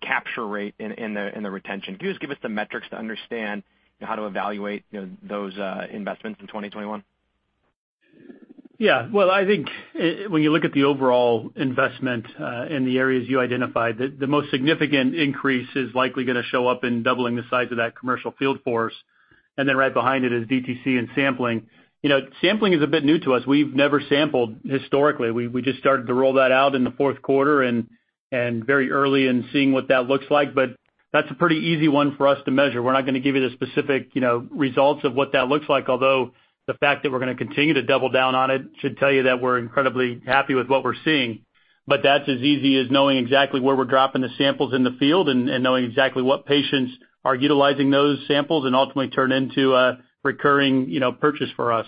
capture rate and the retention? Can you just give us some metrics to understand how to evaluate those investments in 2021? I think when you look at the overall investment in the areas you identified, the most significant increase is likely going to show up in doubling the size of that commercial field force, then right behind it is DTC and sampling. Sampling is a bit new to us. We've never sampled historically. We just started to roll that out in the fourth quarter and very early and seeing what that looks like. That's a pretty easy one for us to measure. We're not going to give you the specific results of what that looks like, although the fact that we're going to continue to double down on it should tell you that we're incredibly happy with what we're seeing. That's as easy as knowing exactly where we're dropping the samples in the field and knowing exactly what patients are utilizing those samples and ultimately turn into a recurring purchase for us.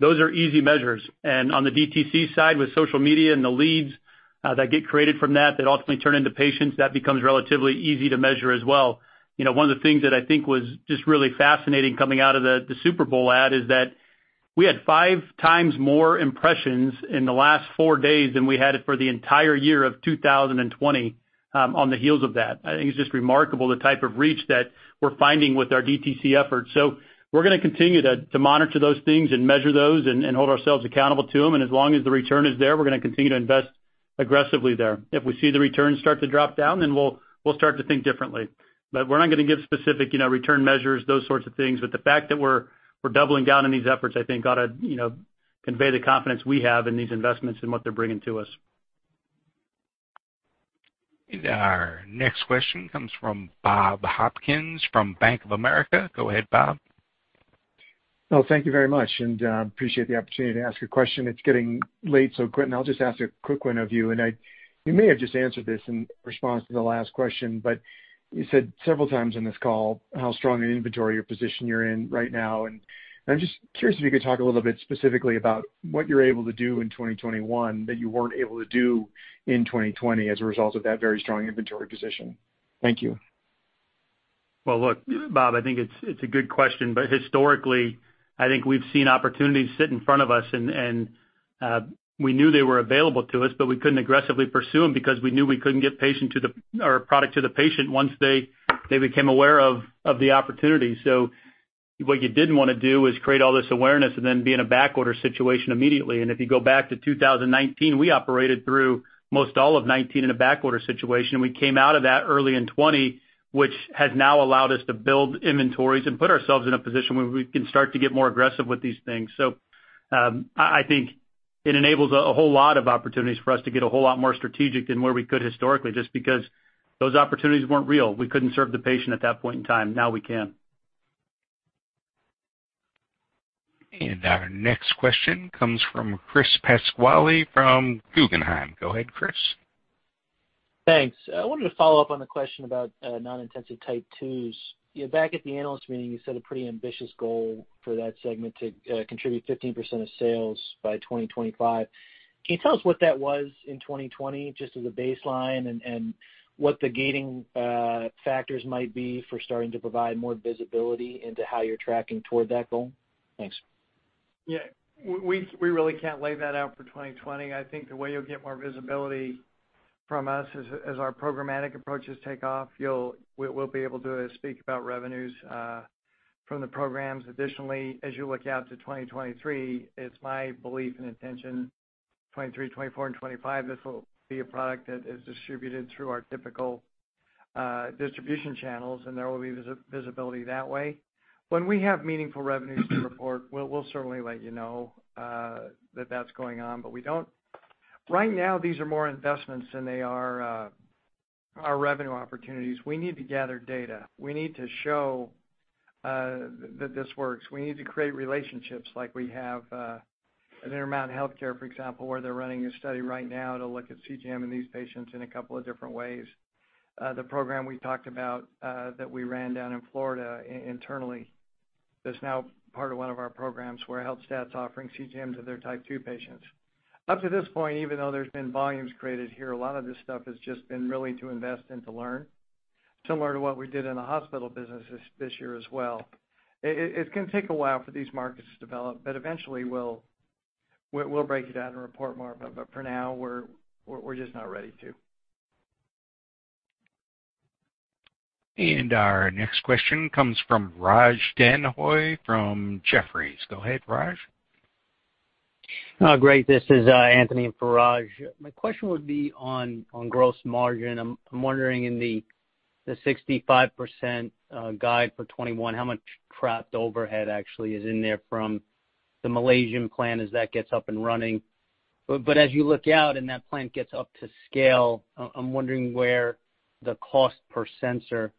Those are easy measures. On the DTC side, with social media and the leads that get created from that ultimately turn into patients, that becomes relatively easy to measure as well. One of the things that I think was just really fascinating coming out of the Super Bowl ad is that we had five times more impressions in the last four days than we had it for the entire year of 2020 on the heels of that. I think it's just remarkable the type of reach that we're finding with our DTC efforts. We're going to continue to monitor those things and measure those and hold ourselves accountable to them. As long as the return is there, we're going to continue to invest aggressively there. If we see the returns start to drop down, then we'll start to think differently. We're not going to give specific return measures, those sorts of things. The fact that we're doubling down on these efforts, I think ought to convey the confidence we have in these investments and what they're bringing to us. Our next question comes from Bob Hopkins from Bank of America. Go ahead, Bob. Well, thank you very much and appreciate the opportunity to ask a question. It's getting late, Quentin, I'll just ask a quick one of you. You may have just answered this in response to the last question, but you said several times on this call how strong an inventory position you're in right now, and I'm just curious if you could talk a little bit specifically about what you're able to do in 2021 that you weren't able to do in 2020 as a result of that very strong inventory position. Thank you. Look, Bob, I think it's a good question. Historically, I think we've seen opportunities sit in front of us and we knew they were available to us, but we couldn't aggressively pursue them because we knew we couldn't get product to the patient once they became aware of the opportunity. What you didn't want to do is create all this awareness and then be in a backorder situation immediately. If you go back to 2019, we operated through most all of 2019 in a backorder situation. We came out of that early in 2020, which has now allowed us to build inventories and put ourselves in a position where we can start to get more aggressive with these things. I think it enables a whole lot of opportunities for us to get a whole lot more strategic than where we could historically, just because those opportunities weren't real. We couldn't serve the patient at that point in time. Now we can. Our next question comes from Chris Pasquale from Guggenheim. Go ahead, Chris. Thanks. I wanted to follow up on the question about non-intensive type 2s. Back at the analyst meeting, you set a pretty ambitious goal for that segment to contribute 15% of sales by 2025. Can you tell us what that was in 2020, just as a baseline, and what the gating factors might be for starting to provide more visibility into how you're tracking toward that goal? Thanks. Yeah. We really can't lay that out for 2020. I think the way you'll get more visibility from us as our programmatic approaches take off, what we'll be able to speak about revenues from the programs. As you look out to 2023, it's my belief and intention, 2023, 2024, and 2025, this will be a product that is distributed through our typical Distribution channels, and there will be visibility that way. When we have meaningful revenues to report, we'll certainly let you know that that's going on, but we don't. Right now, these are more investments than they are revenue opportunities. We need to gather data. We need to show that this works. We need to create relationships like we have with Intermountain Healthcare, for example, where they're running a study right now to look at CGM in these patients in a couple of different ways. The program we talked about that we ran down in Florida internally is now part of one of our programs where Healthstat's offering CGM to their Type 2 patients. Up to this point, even though there's been volumes created here, a lot of this stuff has just been really to invest and to learn, similar to what we did in the hospital business this year as well. It can take a while for these markets to develop, eventually, we'll break it out and report more. For now, we're just not ready to. Our next question comes from Raj Denhoy from Jefferies. Go ahead, Raj. Great. This is Anthony for Raj. My question would be on gross margin. I'm wondering in the 65% guide for 2021, how much trapped overhead actually is in there from the Malaysian plant as that gets up and running. As you look out and that plant gets up to scale, I'm wondering where the cost per sensor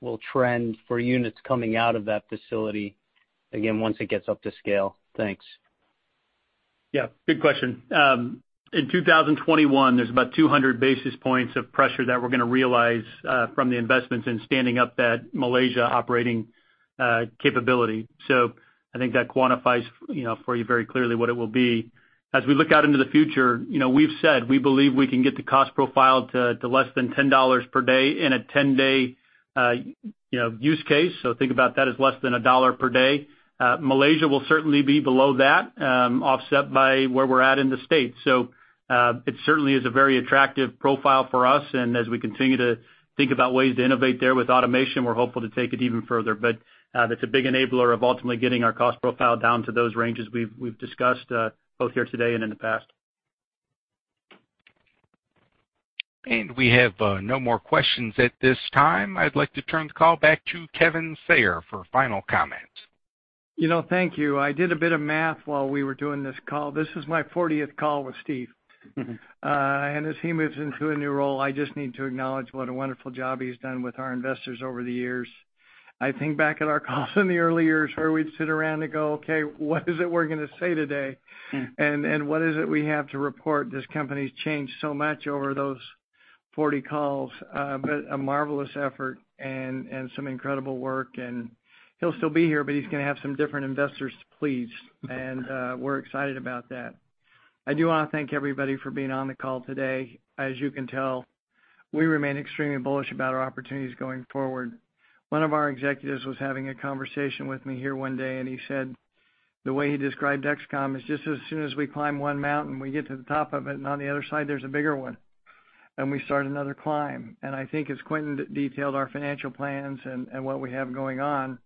will trend for units coming out of that facility, again, once it gets up to scale. Thanks. Yeah, good question. In 2021, there's about 200 basis points of pressure that we're going to realize from the investments in standing up that Malaysia operating capability. I think that quantifies for you very clearly what it will be. As we look out into the future, we've said we believe we can get the cost profile to less than $10 per day in a 10-day use case. Think about that as less than a dollar per day. Malaysia will certainly be below that, offset by where we're at in the States. It certainly is a very attractive profile for us. As we continue to think about ways to innovate there with automation, we're hopeful to take it even further. That's a big enabler of ultimately getting our cost profile down to those ranges we've discussed both here today and in the past. We have no more questions at this time. I'd like to turn the call back to Kevin Sayer for final comments. Thank you. I did a bit of math while we were doing this call. This is my 40th call with Steve. As he moves into a new role, I just need to acknowledge what a wonderful job he's done with our investors over the years. I think back at our calls in the early years where we'd sit around and go, "Okay, what is it we're going to say today? Yeah. What is it we have to report? This company's changed so much over those 40 calls. A marvelous effort and some incredible work. He'll still be here, but he's going to have some different investors to please, and we're excited about that. I do want to thank everybody for being on the call today. As you can tell, we remain extremely bullish about our opportunities going forward. One of our executives was having a conversation with me here one day, and he said the way he described Dexcom is just as soon as we climb one mountain, we get to the top of it, and on the other side, there's a bigger one, and we start another climb. I think as Quentin detailed our financial plans and what we have going on,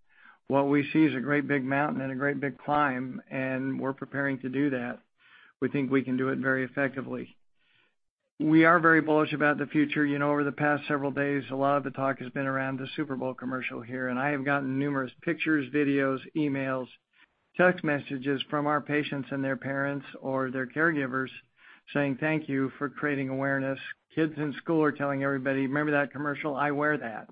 what we see is a great big mountain and a great big climb, and we're preparing to do that. We think we can do it very effectively. We are very bullish about the future. Over the past several days, a lot of the talk has been around the Super Bowl commercial here. I have gotten numerous pictures, videos, emails, text messages from our patients and their parents or their caregivers saying thank you for creating awareness. Kids in school are telling everybody, "Remember that commercial? I wear that,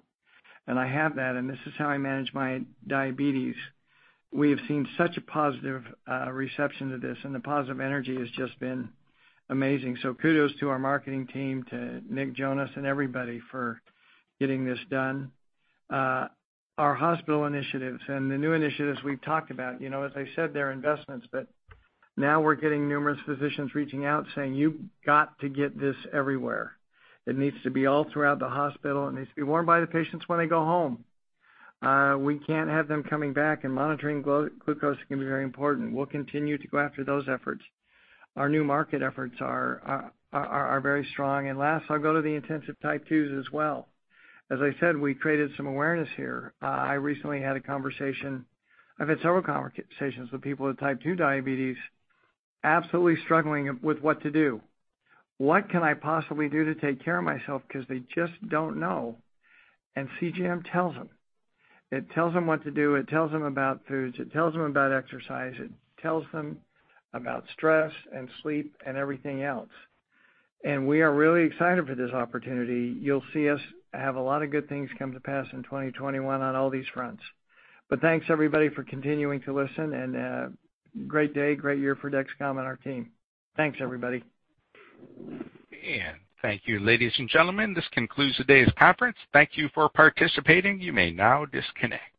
and I have that, and this is how I manage my diabetes." We have seen such a positive reception to this. The positive energy has just been amazing. Kudos to our marketing team, to Nick Jonas and everybody for getting this done. Our hospital initiatives and the new initiatives we've talked about. As I said, they're investments, but now we're getting numerous physicians reaching out saying, "You've got to get this everywhere. It needs to be all throughout the hospital, it needs to be worn by the patients when they go home. We can't have them coming back, and monitoring glucose can be very important." We'll continue to go after those efforts. Our new market efforts are very strong. Last, I'll go to the intensive Type 2s as well. As I said, we created some awareness here. I recently had a conversation, I've had several conversations with people with Type 2 diabetes absolutely struggling with what to do. What can I possibly do to take care of myself? Because they just don't know. CGM tells them. It tells them what to do. It tells them about foods. It tells them about exercise. It tells them about stress and sleep and everything else. We are really excited for this opportunity. You'll see us have a lot of good things come to pass in 2021 on all these fronts. Thanks everybody for continuing to listen, and great day, great year for Dexcom and our team. Thanks everybody. Thank you. Ladies and gentlemen, this concludes today's conference. Thank you for participating. You may now disconnect.